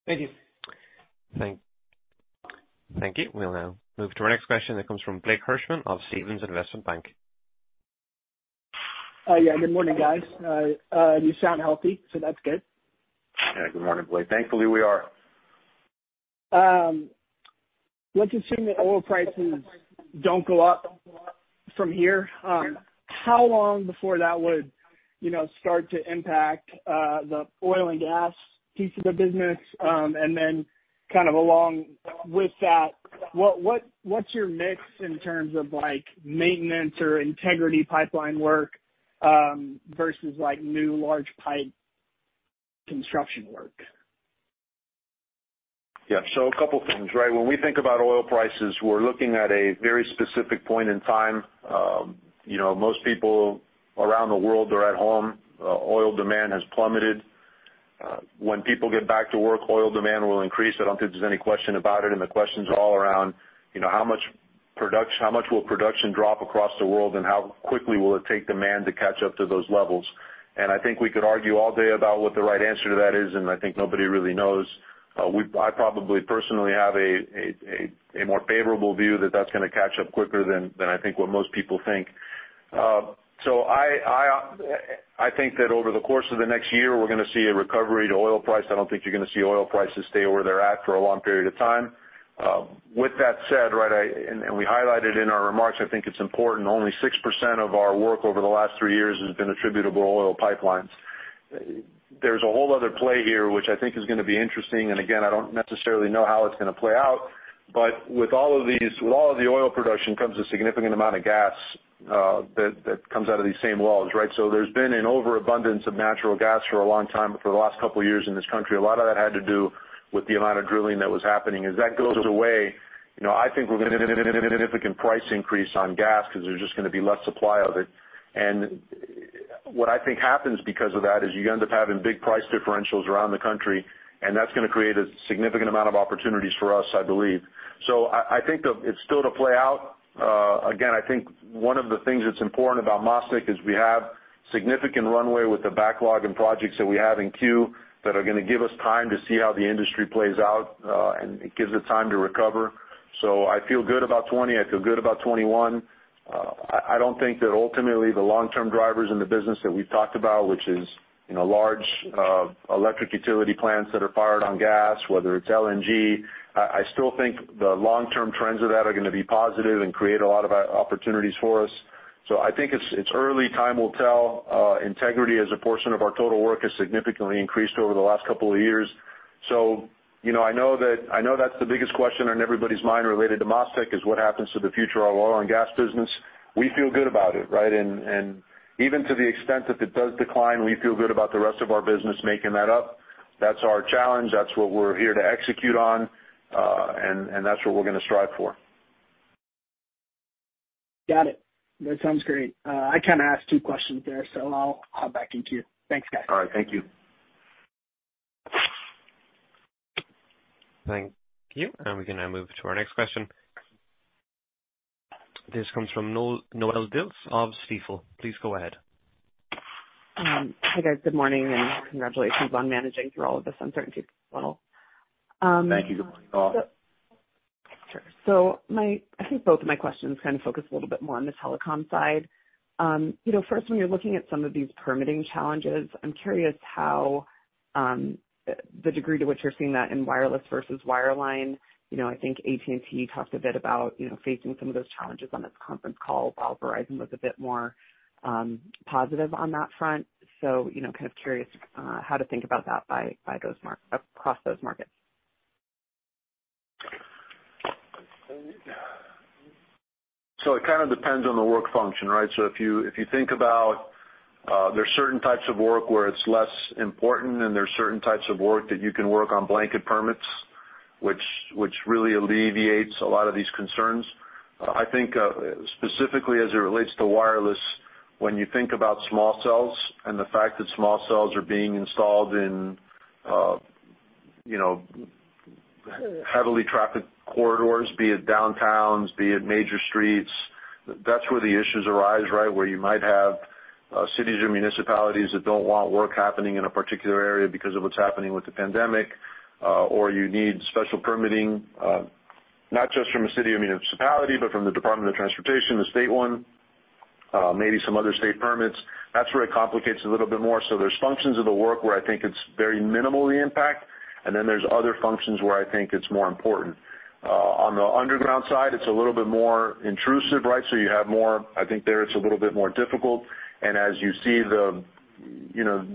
Thank you. Thank you. We'll now move to our next question that comes from Blake Hirschman of Stephens Investment Bank. Yeah, good morning, guys. You sound healthy, so that's good. Yeah, good morning, Blake. Thankfully, we are. Let's assume that oil prices don't go up from here. How long before that would, you know, start to impact the oil and gas piece of the business? Kind of along with that, what's your mix in terms of, like, maintenance or integrity pipeline work versus like, new large pipe construction work? Yeah. A couple things, right? When we think about oil prices, we're looking at a very specific point in time. You know, most people around the world are at home. Oil demand has plummeted. When people get back to work, oil demand will increase. I don't think there's any question about it, and the questions are all around, you know, how much will production drop across the world, and how quickly will it take demand to catch up to those levels? I think we could argue all day about what the right answer to that is, and I think nobody really knows. I probably personally have a more favorable view that that's gonna catch up quicker than I think what most people think. I think that over the course of the next year, we're gonna see a recovery to oil price. I don't think you're gonna see oil prices stay where they're at for a long period of time. With that said, right, we highlighted in our remarks, I think it's important, only 6% of our work over the last three years has been attributable to oil pipelines. There's a whole other play here, which I think is gonna be interesting and again, I don't necessarily know how it's gonna play out, with all of these, with all of the oil production comes a significant amount of gas that comes out of these same wells, right? There's been an overabundance of natural gas for a long time, for the last two years in this country. A lot of that had to do with the amount of drilling that was happening. As that goes away, you know, I think we're gonna see a significant price increase on gas because there's just gonna be less supply of it. What I think happens because of that is you end up having big price differentials around the country, and that's gonna create a significant amount of opportunities for us, I believe. I think it's still to play out. Again, I think one of the things that's important about MasTec is we have significant runway with the backlog and projects that we have in queue that are gonna give us time to see how the industry plays out, and it gives it time to recover. I feel good about 20, I feel good about 21. I don't think that ultimately the long-term drivers in the business that we've talked about, which is large electric utility plants that are fired on gas, whether it's LNG, I still think the long-term trends of that are gonna be positive and create a lot of opportunities for us. I think it's early. Time will tell. Integrity as a portion of our total work has significantly increased over the last couple of years. I know that's the biggest question on everybody's mind related to MasTec is what happens to the future of our oil and gas business. We feel good about it, right? Even to the extent that it does decline, we feel good about the rest of our business making that up. That's our challenge, that's what we're here to execute on, and that's what we're gonna strive for. Got it. That sounds great. I kind of asked two questions there, so I'll hop back into you. Thanks, guys. All right. Thank you. Thank you. We can now move to our next question. This comes from Noelle Dilts of Stifel. Please go ahead. Hi, guys. Good morning, and congratulations on managing through all of this uncertainty as well. Thank you. Good morning, Noelle. Sure. I think both of my questions kind of focus a little bit more on the telecom side. You know, first, when you're looking at some of these permitting challenges, I'm curious how the degree to which you're seeing that in wireless versus wireline. You know, I think AT&T talked a bit about, you know, facing some of those challenges on this conference call, while Verizon was a bit more positive on that front. You know, kind of curious how to think about that across those markets? ...It kind of depends on the work function, right? If you, if you think about there are certain types of work where it's less important, and there are certain types of work that you can work on blanket permits, which really alleviates a lot of these concerns. I think specifically as it relates to wireless, when you think about small cells and the fact that small cells are being installed in, you know, heavily trafficked corridors, be it downtowns, be it major streets, that's where the issues arise, right? Where you might have cities or municipalities that don't want work happening in a particular area because of what's happening with the pandemic, or you need special permitting, not just from a city or municipality, but from the Department of Transportation, the state one, maybe some other state permits. That's where it complicates a little bit more. There's functions of the work where I think it's very minimal, the impact, and then there's other functions where I think it's more important. On the underground side, it's a little bit more intrusive, right? I think there, it's a little bit more difficult. As you see the, you know,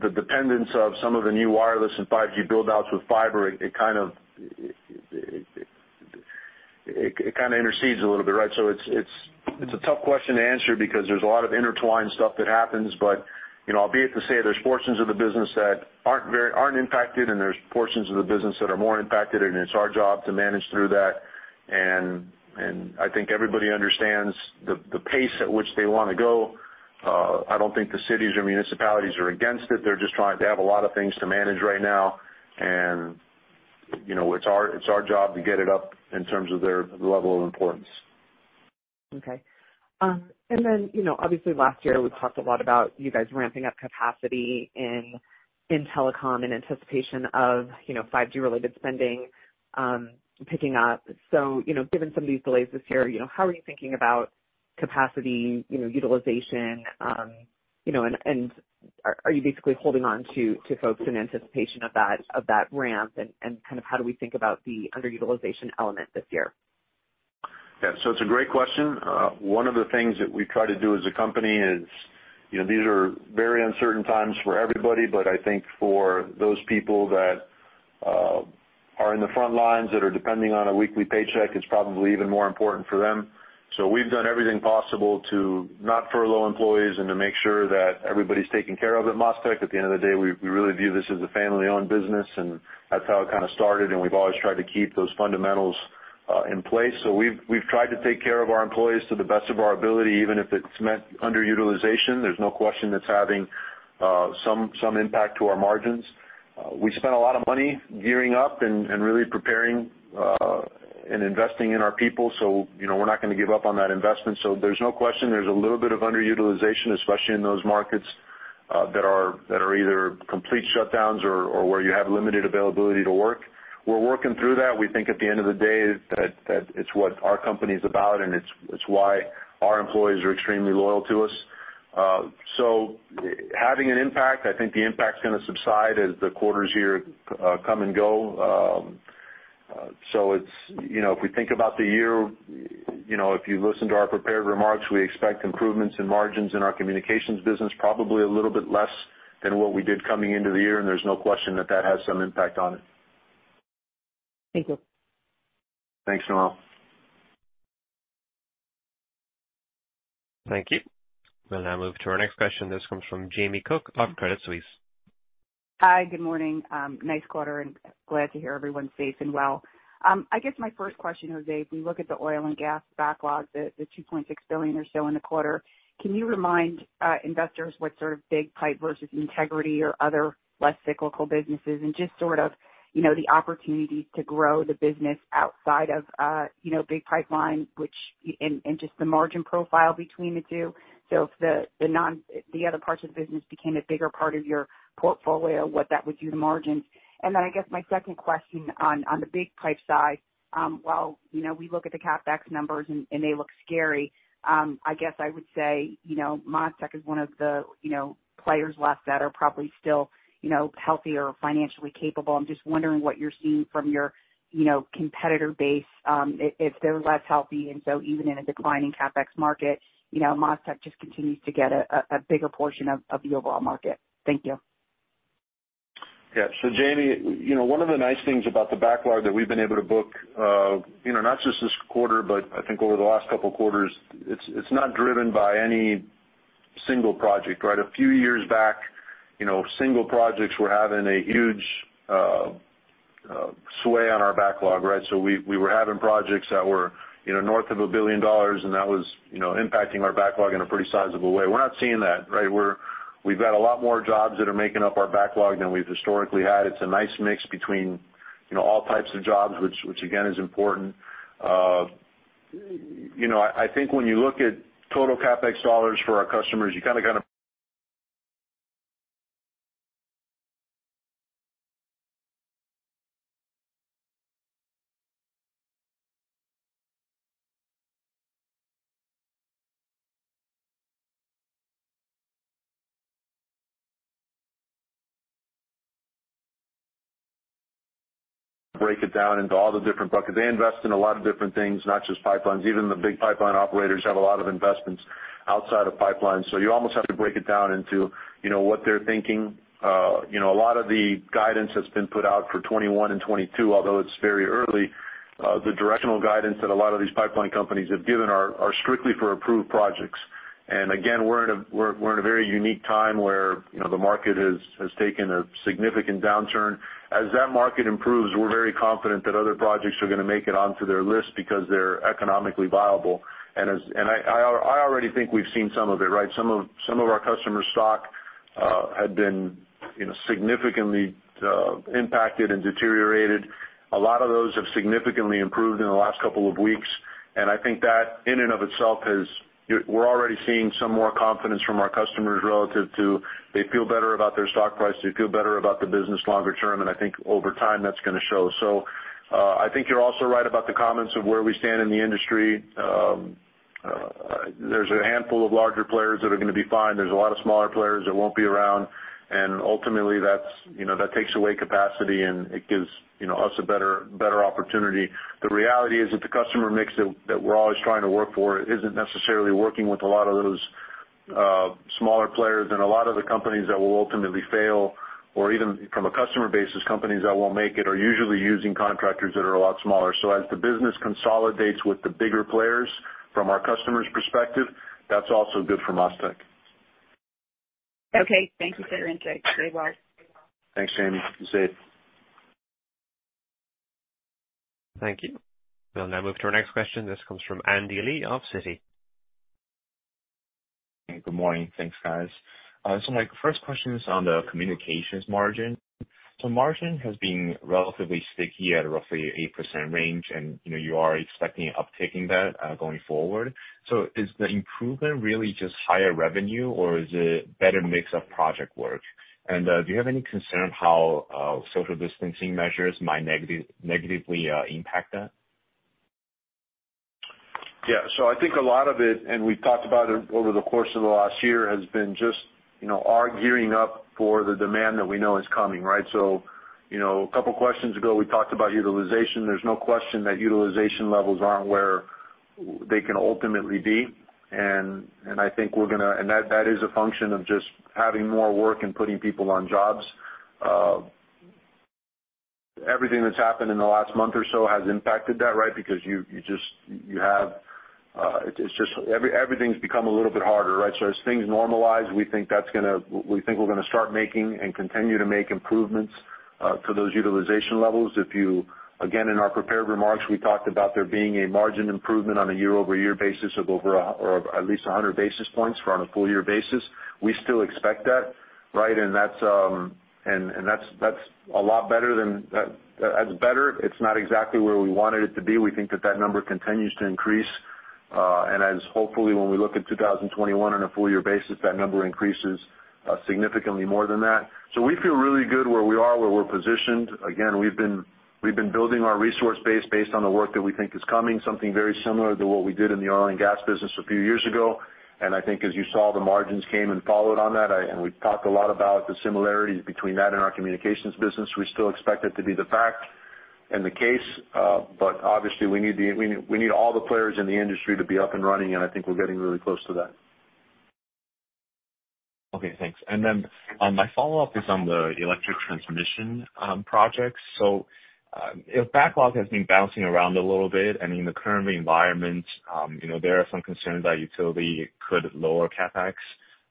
the dependence of some of the new wireless and 5G build outs with fiber, it kind of intercedes a little bit, right? It's a tough question to answer because there's a lot of intertwined stuff that happens. You know, I'll be able to say there's portions of the business that aren't impacted, and there's portions of the business that are more impacted, and it's our job to manage through that. I think everybody understands the pace at which they wanna go. I don't think the cities or municipalities are against it. They're just trying to have a lot of things to manage right now. You know, it's our job to get it up in terms of their level of importance. Okay. You know, obviously, last year we talked a lot about you guys ramping up capacity in telecom in anticipation of, you know, 5G-related spending, picking up. You know, given some of these delays this year, you know, how are you thinking about capacity, you know, utilization? You know, are you basically holding on to folks in anticipation of that, of that ramp? Kind of how do we think about the underutilization element this year? Yeah. It's a great question. One of the things that we try to do as a company is, you know, these are very uncertain times for everybody, but I think for those people that are in the front lines, that are depending on a weekly paycheck, it's probably even more important for them. We've done everything possible to not furlough employees and to make sure that everybody's taken care of at MasTec. At the end of the day, we really view this as a family-owned business, and that's how it kind of started, and we've always tried to keep those fundamentals in place. We've tried to take care of our employees to the best of our ability, even if it's meant underutilization. There's no question that's having some impact to our margins. We spent a lot of money gearing up and really preparing and investing in our people, you know, we're not gonna give up on that investment. There's no question there's a little bit of underutilization, especially in those markets that are either complete shutdowns or where you have limited availability to work. We're working through that. We think at the end of the day, that it's what our company is about, and it's why our employees are extremely loyal to us. Having an impact, I think the impact's gonna subside as the quarters here come and go. You know, if we think about the year, you know, if you listen to our prepared remarks, we expect improvements in margins in our communications business, probably a little bit less than what we did coming into the year, and there's no question that that has some impact on it. Thank you. Thanks, Noelle Thank you. We'll now move to our next question. This comes from Jamie Cook of Credit Suisse. Hi, good morning. Nice quarter and glad to hear everyone's safe and well. I guess my first question, Jose, if we look at the oil and gas backlog, the $2.6 billion or so in the quarter, can you remind investors what sort of big pipe versus integrity or other less cyclical businesses and just sort of, you know, the opportunity to grow the business outside of, you know, big pipeline, which, and just the margin profile between the two? If the non- the other parts of the business became a bigger part of your portfolio, what that would do to margins? I guess my second question on the big pipe side, while, you know, we look at the CapEx numbers and they look scary, I guess I would say, you know, MasTec is one of the, you know, players left that are probably still, you know, healthy or financially capable. I'm just wondering what you're seeing from your, you know, competitor base, if they're less healthy. Even in a declining CapEx market, you know, MasTec just continues to get a bigger portion of the overall market. Thank you. Yeah. Jamie, you know, one of the nice things about the backlog that we've been able to book, you know, not just this quarter, but I think over the last couple of quarters, it's not driven by any single project, right? A few years back, you know, single projects were having a huge sway on our backlog, right? We, we were having projects that were, you know, north of $1 billion, and that was, you know, impacting our backlog in a pretty sizable way. We're not seeing that, right? We've got a lot more jobs that are making up our backlog than we've historically had. It's a nice mix between, you know, all types of jobs, which again, is important. You know, I think when you look at total CapEx dollars for our customers, you kind of break it down into all the different buckets. They invest in a lot of different things, not just pipelines. Even the big pipeline operators have a lot of investments. Outside of pipeline. You almost have to break it down into, you know, what they're thinking. You know, a lot of the guidance that's been put out for 2021 and 2022, although it's very early, the directional guidance that a lot of these pipeline companies have given are strictly for approved projects. Again, we're in a very unique time where, you know, the market has taken a significant downturn. As that market improves, we're very confident that other projects are gonna make it onto their list because they're economically viable. I already think we've seen some of it, right? Some of our customers' stock had been, you know, significantly impacted and deteriorated. A lot of those have significantly improved in the last couple of weeks, and I think that, in and of itself, has. We're already seeing some more confidence from our customers relative to they feel better about their stock price, they feel better about the business longer term, and I think over time, that's gonna show. I think you're also right about the comments of where we stand in the industry. There's a handful of larger players that are gonna be fine. There's a lot of smaller players that won't be around. Ultimately, that's, you know, that takes away capacity, and it gives, you know, us a better opportunity. The reality is that the customer mix that we're always trying to work for isn't necessarily working with a lot of those smaller players, and a lot of the companies that will ultimately fail, or even from a customer basis, companies that won't make it, are usually using contractors that are a lot smaller. As the business consolidates with the bigger players from our customers' perspective, that's also good for MasTec. Okay. Thank you for your insight. Goodbye. Thanks, Amy. Goodbye. Thank you. We'll now move to our next question. This comes from Andy Li of Citi. Good morning. Thanks, guys. My first question is on the communications margin. Margin has been relatively sticky at roughly 8% range, and, you know, you are expecting an uptaking that going forward. Is the improvement really just higher revenue, or is it better mix of project work? Do you have any concern how social distancing measures might negatively impact that? Yeah. I think a lot of it, and we've talked about it over the course of the last year, has been just, you know, our gearing up for the demand that we know is coming, right? You know, a couple questions ago, we talked about utilization. There's no question that utilization levels aren't where they can ultimately be, and I think we're gonna. That is a function of just having more work and putting people on jobs. Everything that's happened in the last month or so has impacted that, right? Because you just have, it's just everything's become a little bit harder, right? As things normalize, we think we're gonna start making and continue to make improvements to those utilization levels. If you, again, in our prepared remarks, we talked about there being a margin improvement on a year-over-year basis of over, or at least 100 basis points on a full year basis. We still expect that, right? That's a lot better than that's better. It's not exactly where we wanted it to be. We think that number continues to increase, and as hopefully, when we look at 2021 on a full year basis, that number increases significantly more than that. We feel really good where we are, where we're positioned. Again, we've been building our resource base based on the work that we think is coming, something very similar to what we did in the oil and gas business a few years ago. I think as you saw, the margins came and followed on that. I, we've talked a lot about the similarities between that and our communications business. We still expect it to be the fact and the case, obviously we need all the players in the industry to be up and running, I think we're getting really close to that. Okay, thanks. My follow-up is on the electric transmission projects. Backlog has been bouncing around a little bit, and in the current environment, you know, there are some concerns that utility could lower CapEx.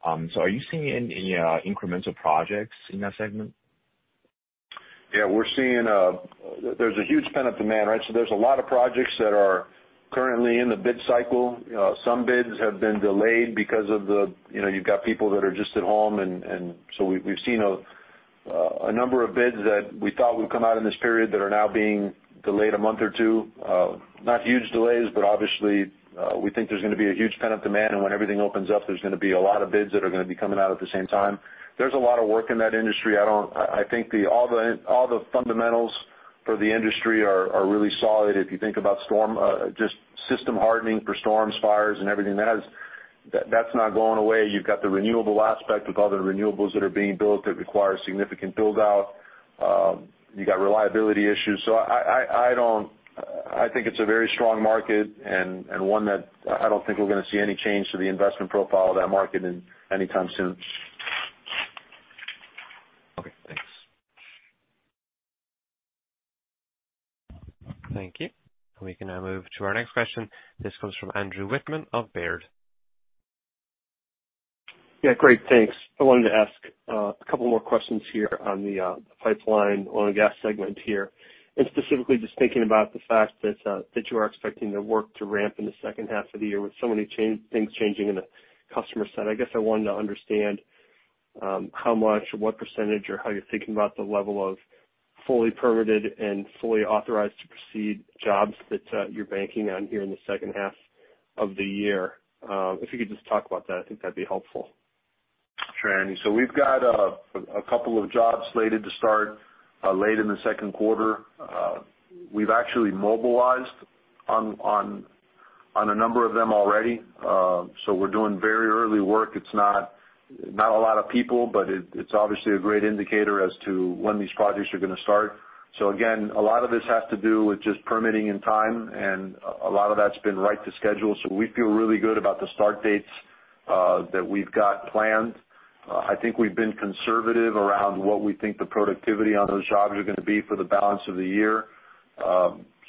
Are you seeing any incremental projects in that segment? Yeah, we're seeing, there's a huge pent-up demand, right? There's a lot of projects that are currently in the bid cycle. Some bids have been delayed because of the, you know, you've got people that are just at home, and so we've seen a number of bids that we thought would come out in this period that are now being delayed a month or two. Not huge delays, but obviously, we think there's gonna be a huge pent-up demand, and when everything opens up, there's gonna be a lot of bids that are gonna be coming out at the same time. There's a lot of work in that industry. I don't. I think all the fundamentals for the industry are really solid. If you think about storm, just system hardening for storms, fires and everything, that's not going away. You've got the renewable aspect with all the renewables that are being built that require significant build-out. You got reliability issues. I don't think it's a very strong market and one that I don't think we're gonna see any change to the investment profile of that market in anytime soon. Okay, thanks. Thank you. We can now move to our next question. This comes from Andrew Wittmann of Baird. Yeah, great. Thanks. I wanted to ask a couple more questions here on the pipeline oil and gas segment here, and specifically, just thinking about the fact that you are expecting the work to ramp in the second half of the year with so many things changing in the customer side. I guess I wanted to understand how much, what percentage, or how you're thinking about the level of fully permitted and fully authorized to proceed jobs that you're banking on here in the second half of the year. If you could just talk about that, I think that'd be helpful. Sure, Andy. We've got a couple of jobs slated to start late in the second quarter. We've actually mobilized on a number of them already. We're doing very early work. It's not a lot of people, but it's obviously a great indicator as to when these projects are gonna start. Again, a lot of this has to do with just permitting and time, and a lot of that's been right to schedule, so we feel really good about the start dates that we've got planned. I think we've been conservative around what we think the productivity on those jobs are gonna be for the balance of the year.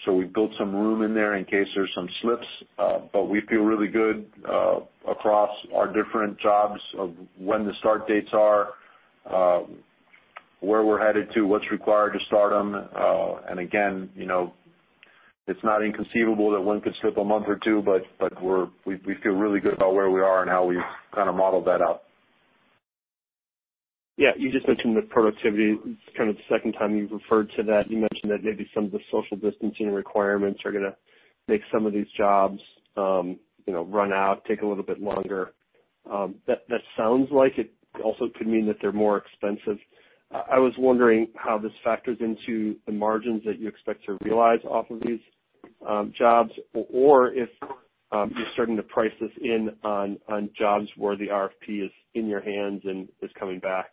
We've built some room in there in case there's some slips, but we feel really good across our different jobs of when the start dates are, where we're headed to, what's required to start them. Again, you know, it's not inconceivable that one could slip a month or two, but we feel really good about where we are and how we've kind of modeled that out. You just mentioned the productivity. It's kind of the second time you've referred to that. You mentioned that maybe some of the social distancing requirements are gonna make some of these jobs, you know, run out, take a little bit longer. That, that sounds like it also could mean that they're more expensive. I was wondering how this factors into the margins that you expect to realize off of these jobs, or if you're starting to price this in on jobs where the RFP is in your hands and is coming back?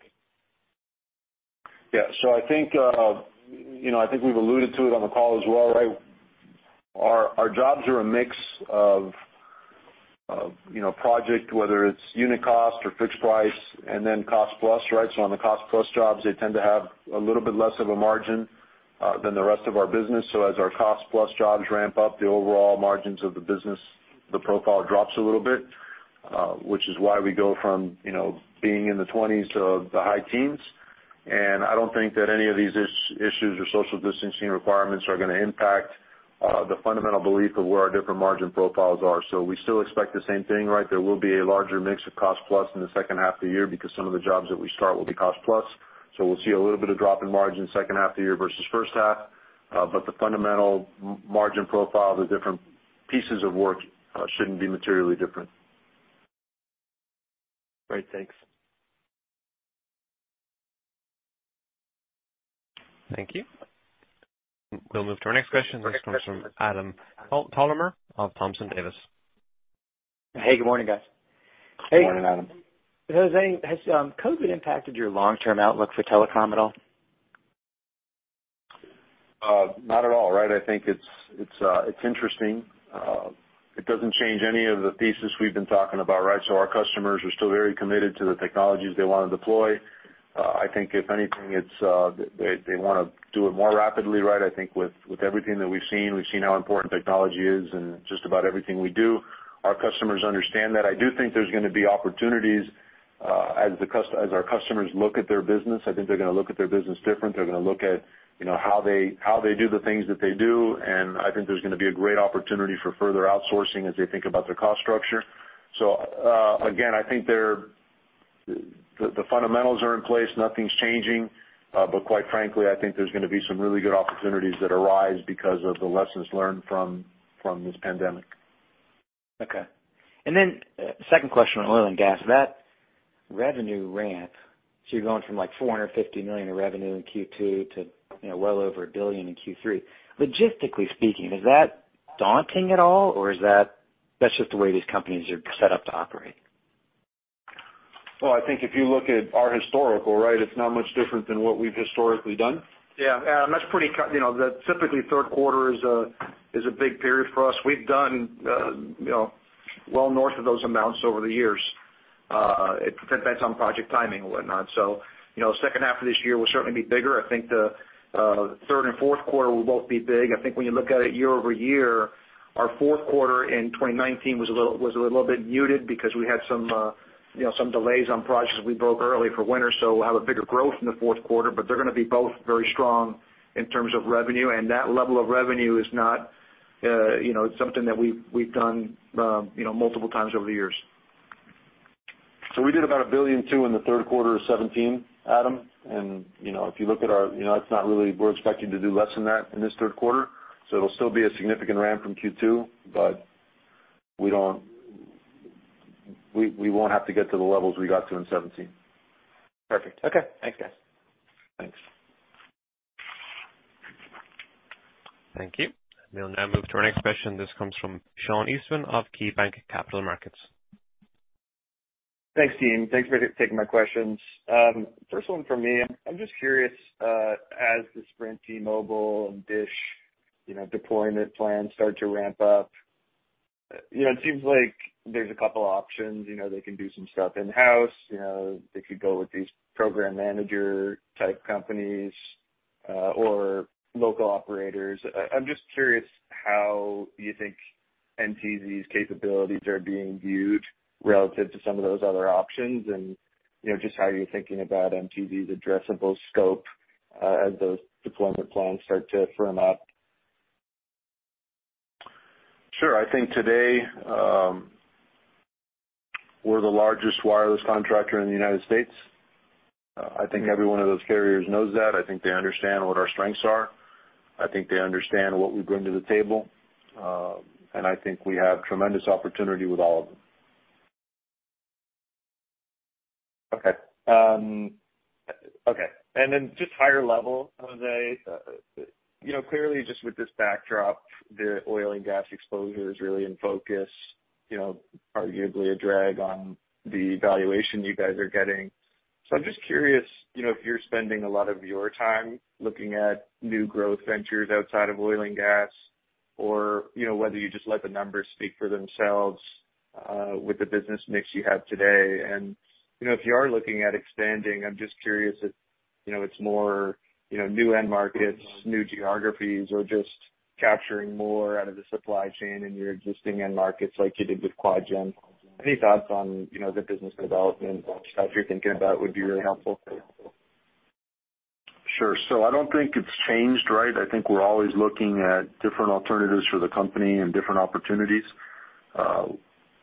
I think, you know, I think we've alluded to it on the call as well, right? Our jobs are a mix of, you know, project, whether it's unit cost or fixed price, and then cost plus, right? On the cost plus jobs, they tend to have a little bit less of a margin than the rest of our business. As our cost plus jobs ramp up, the overall margins of the business, the profile drops a little bit, which is why we go from, you know, being in the 20s to the high teens. I don't think that any of these issues or social distancing requirements are gonna impact the fundamental belief of where our different margin profiles are. We still expect the same thing, right? There will be a larger mix of cost plus in the second half of the year, because some of the jobs that we start will be cost plus. We'll see a little bit of drop in margin second half of the year versus first half. The fundamental margin profile, the different pieces of work, shouldn't be materially different. Great. Thanks. Thank you. We'll move to our next question. This comes from Adam Thalhimer of Thompson Davis. Hey, good morning, guys. Good morning, Adam. Jose, has COVID impacted your long-term outlook for telecom at all? Not at all, right? I think it's interesting. It doesn't change any of the pieces we've been talking about, right? Our customers are still very committed to the technologies they wanna deploy. I think if anything, it's, they wanna do it more rapidly, right? I think with everything that we've seen, we've seen how important technology is in just about everything we do. Our customers understand that. I do think there's gonna be opportunities, as our customers look at their business, I think they're gonna look at their business different. They're gonna look at, you know, how they do the things that they do, and I think there's gonna be a great opportunity for further outsourcing as they think about their cost structure. Again, I think they're... The fundamentals are in place, nothing's changing, but quite frankly, I think there's gonna be some really good opportunities that arise because of the lessons learned from this pandemic. Okay. Second question on oil and gas. That revenue ramp, you're going from, like, $450 million in revenue in Q2 to, you know, well over $1 billion in Q3. Logistically speaking, is that daunting at all, or is that's just the way these companies are set up to operate? Well, I think if you look at our historical, right, it's not much different than what we've historically done. Adam, that's pretty you know, typically third quarter is a big period for us. We've done, you know, well north of those amounts over the years. It depends on project timing and whatnot. You know, second half of this year will certainly be bigger. I think the third and fourth quarter will both be big. I think when you look at it year-over-year, our fourth quarter in 2019 was a little bit muted because we had some, you know, some delays on projects we broke early for winter. We'll have a bigger growth in the fourth quarter. They're gonna be both very strong in terms of revenue. That level of revenue is not, you know, it's something that we've done, you know, multiple times over the years. We did about $1.2 billion in the third quarter of 2017, Adam. You know, if you look at our... You know, it's not really, we're expecting to do less than that in this third quarter. It'll still be a significant ramp from Q2. We won't have to get to the levels we got to in 2017. Perfect. Okay. Thanks, guys. Thanks. Thank you. We'll now move to our next question. This comes from Sean Eastman of KeyBanc Capital Markets. Thanks, team. Thanks for taking my questions. First one for me, I'm just curious, as the Sprint, T-Mobile, and Dish, you know, deployment plans start to ramp up, you know, it seems like there's a couple options. You know, they can do some stuff in-house, you know, they could go with these program manager-type companies, or local operators. I'm just curious how you think Nsoro's capabilities are being viewed relative to some of those other options, and, you know, just how you're thinking about Nsoro's addressable scope, as those deployment plans start to firm up. Sure. I think today, we're the largest wireless contractor in the United States. I think every one of those carriers knows that. I think they understand what our strengths are. I think they understand what we bring to the table. I think we have tremendous opportunity with all of them. Okay. Just higher level, Jose, you know, clearly just with this backdrop, the oil and gas exposure is really in focus, you know, arguably a drag on the valuation you guys are getting. I'm just curious, you know, if you're spending a lot of your time looking at new growth ventures outside of oil and gas, or, you know, whether you just let the numbers speak for themselves with the business mix you have today? If you are looking at expanding, I'm just curious if, you know, it's more, you know, new end markets, new geographies, or just capturing more out of the supply chain in your existing end markets like you did with QuadGen? Any thoughts on, you know, the business development, how you're thinking about it would be really helpful. Sure. I don't think it's changed, right? I think we're always looking at different alternatives for the company and different opportunities.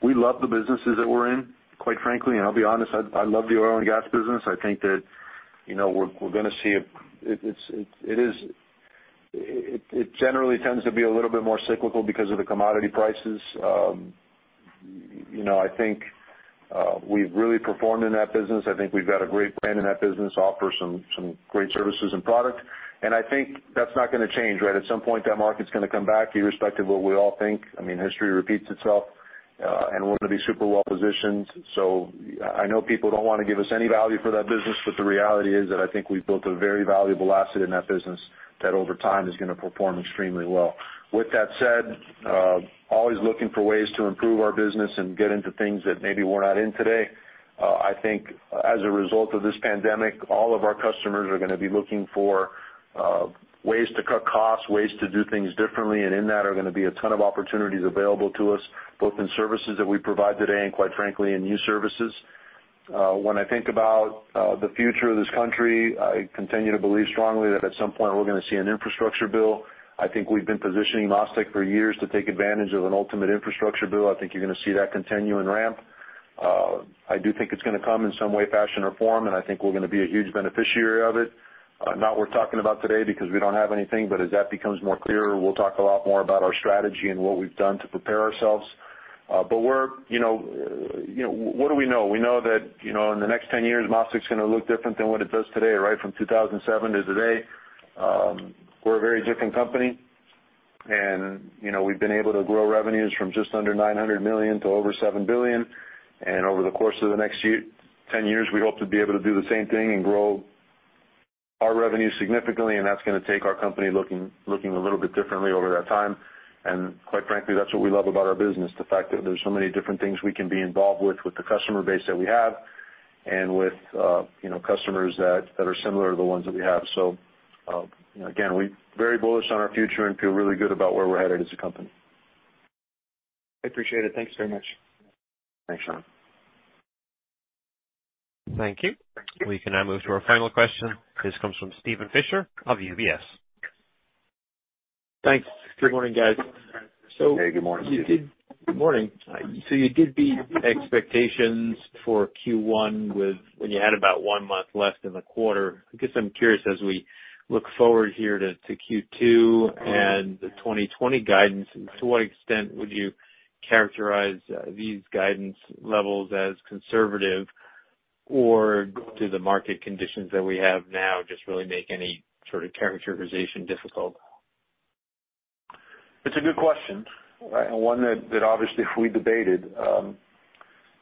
We love the businesses that we're in, quite frankly, and I'll be honest, I love the oil and gas business. I think that, you know, we're gonna see it. it is, it generally tends to be a little bit more cyclical because of the commodity prices. you know, I think, we've really performed in that business. I think we've got a great brand in that business, offer some great services and product, and I think that's not gonna change, right? At some point, that market's gonna come back, irrespective of what we all think. I mean, history repeats itself, and we're gonna be super well positioned. I know people don't want to give us any value for that business, but the reality is that I think we've built a very valuable asset in that business that over time is gonna perform extremely well. With that said, always looking for ways to improve our business and get into things that maybe we're not in today. I think as a result of this pandemic, all of our customers are gonna be looking for ways to cut costs, ways to do things differently, and in that are gonna be a ton of opportunities available to us, both in services that we provide today and, quite frankly, in new services. When I think about, the future of this country, I continue to believe strongly that at some point we're gonna see an infrastructure bill. I think we've been positioning MasTec for years to take advantage of an ultimate infrastructure bill. I think you're gonna see that continue and ramp. I do think it's gonna come in some way, fashion or form, and I think we're gonna be a huge beneficiary of it. Not we're talking about today because we don't have anything, but as that becomes more clearer, we'll talk a lot more about our strategy and what we've done to prepare ourselves. But we're, you know, what do we know? We know that, you know, in the next 10 years, MasTec's gonna look different than what it does today, right? From 2007 to today, we're a very different company. You know, we've been able to grow revenues from just under $900 million to over $7 billion. Over the course of the next 10 years, we hope to be able to do the same thing and grow our revenue significantly, and that's gonna take our company looking a little bit differently over that time. Quite frankly, that's what we love about our business, the fact that there's so many different things we can be involved with the customer base that we have and with, you know, customers that are similar to the ones that we have. Again, we're very bullish on our future and feel really good about where we're headed as a company. I appreciate it. Thanks very much. Thanks, Sean. Thank you. We can now move to our final question. This comes from Steven Fisher of UBS. Thanks. Good morning, guys. Hey, good morning, Steven. Good morning. You did beat expectations for Q1. When you had about one month left in the quarter. I guess I'm curious, as we look forward here to Q2 and the 2020 guidance, to what extent would you characterize these guidance levels as conservative, or do the market conditions that we have now just really make any sort of characterization difficult? It's a good question, right? One that obviously we debated.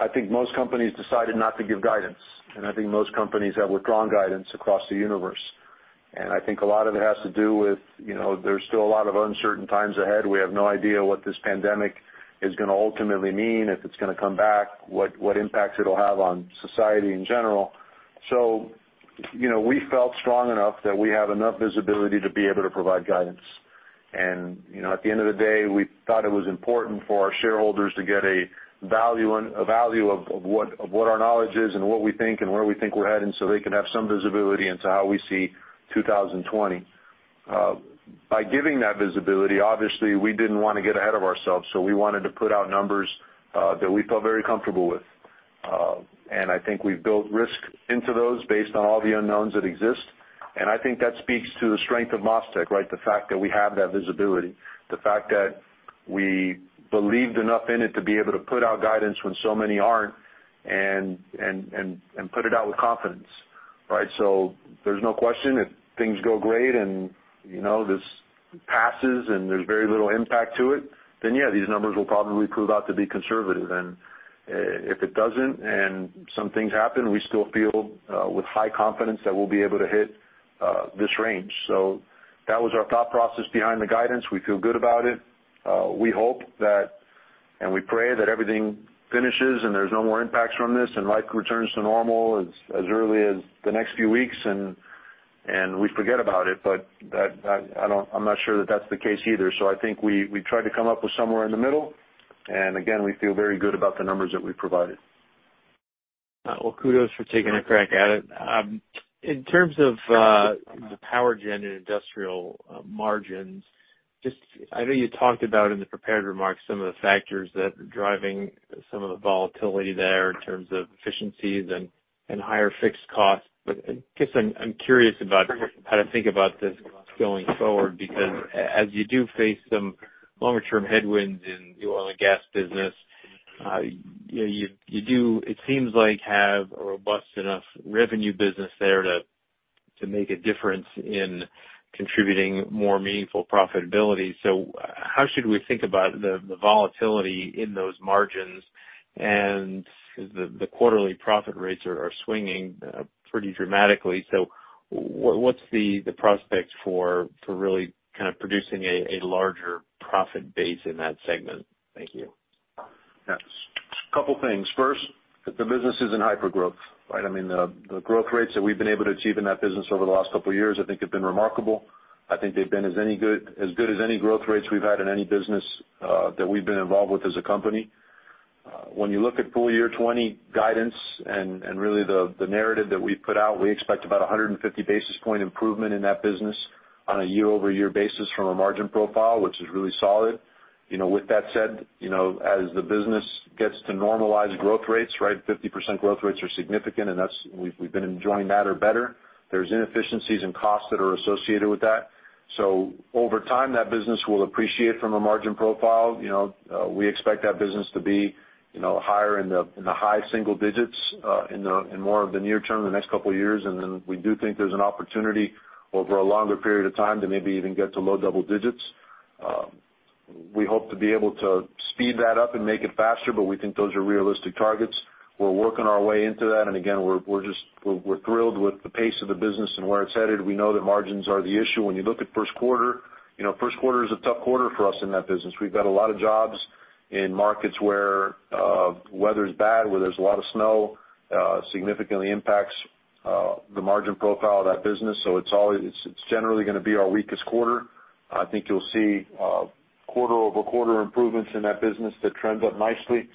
I think most companies decided not to give guidance, I think most companies have withdrawn guidance across the universe. I think a lot of it has to do with, you know, there's still a lot of uncertain times ahead. We have no idea what this pandemic is gonna ultimately mean, if it's gonna come back, what impacts it'll have on society in general. You know, we felt strong enough that we have enough visibility to be able to provide guidance. You know, at the end of the day, we thought it was important for our shareholders to get a value of what our knowledge is and what we think and where we think we're heading, so they can have some visibility into how we see 2020. By giving that visibility, obviously, we didn't want to get ahead of ourselves, so we wanted to put out numbers that we felt very comfortable with. I think we've built risk into those based on all the unknowns that exist. I think that speaks to the strength of MasTec, right? The fact that we have that visibility, the fact that we believed enough in it to be able to put out guidance when so many aren't, and put it out with confidence, right? There's no question if things go great and, you know, this passes and there's very little impact to it, then, yeah, these numbers will probably prove out to be conservative. If it doesn't and some things happen, we still feel with high confidence that we'll be able to hit this range. That was our thought process behind the guidance. We feel good about it. We hope that, we pray that everything finishes and there's no more impacts from this, and life returns to normal as early as the next few weeks, and we forget about it. I'm not sure that that's the case either. I think we tried to come up with somewhere in the middle, and again, we feel very good about the numbers that we provided. Well, kudos for taking a crack at it. In terms of the power gen and industrial margins, I know you talked about in the prepared remarks some of the factors that are driving some of the volatility there in terms of efficiencies and higher fixed costs. I guess I'm curious about how to think about this going forward, because as you do face some longer-term headwinds in the oil and gas business, you do, it seems like, have a robust enough revenue business there to make a difference in contributing more meaningful profitability. How should we think about the volatility in those margins? The quarterly profit rates are swinging pretty dramatically. What's the prospects for really kind of producing a larger profit base in that segment? Thank you. Yes. Couple things. First, the business is in hypergrowth, right? I mean, the growth rates that we've been able to achieve in that business over the last couple of years, I think, have been remarkable. I think they've been as good as any growth rates we've had in any business that we've been involved with as a company. When you look at full year 2020 guidance and really the narrative that we've put out, we expect about a 150 basis point improvement in that business on a year-over-year basis from a margin profile, which is really solid. You know, with that said, you know, as the business gets to normalized growth rates, right, 50% growth rates are significant, and we've been enjoying that or better. There's inefficiencies and costs that are associated with that. Over time, that business will appreciate from a margin profile. You know, we expect that business to be, you know, higher in the high single digits in more of the near term, in the next couple of years. We do think there's an opportunity over a longer period of time to maybe even get to low double digits. We hope to be able to speed that up and make it faster. We think those are realistic targets. We're working our way into that, and again, we're just thrilled with the pace of the business and where it's headed. We know that margins are the issue. When you look at first quarter, you know, first quarter is a tough quarter for us in that business. We've got a lot of jobs in markets where weather's bad, where there's a lot of snow, significantly impacts, the margin profile of that business. It's generally gonna be our weakest quarter. I think you'll see quarter-over-quarter improvements in that business that trends up nicely.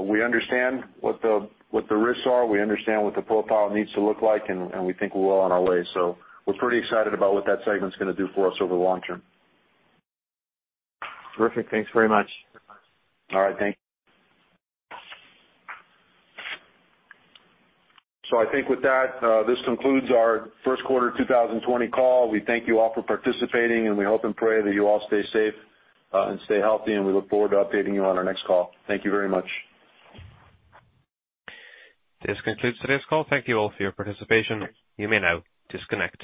We understand what the risks are, we understand what the profile needs to look like, and we think we're well on our way. We're pretty excited about what that segment's gonna do for us over the long term. Terrific. Thanks very much. All right, thank you. I think with that, this concludes our first quarter 2020 call. We thank you all for participating, and we hope and pray that you all stay safe, and stay healthy, and we look forward to updating you on our next call. Thank you very much. This concludes today's call. Thank you all for your participation. You may now disconnect.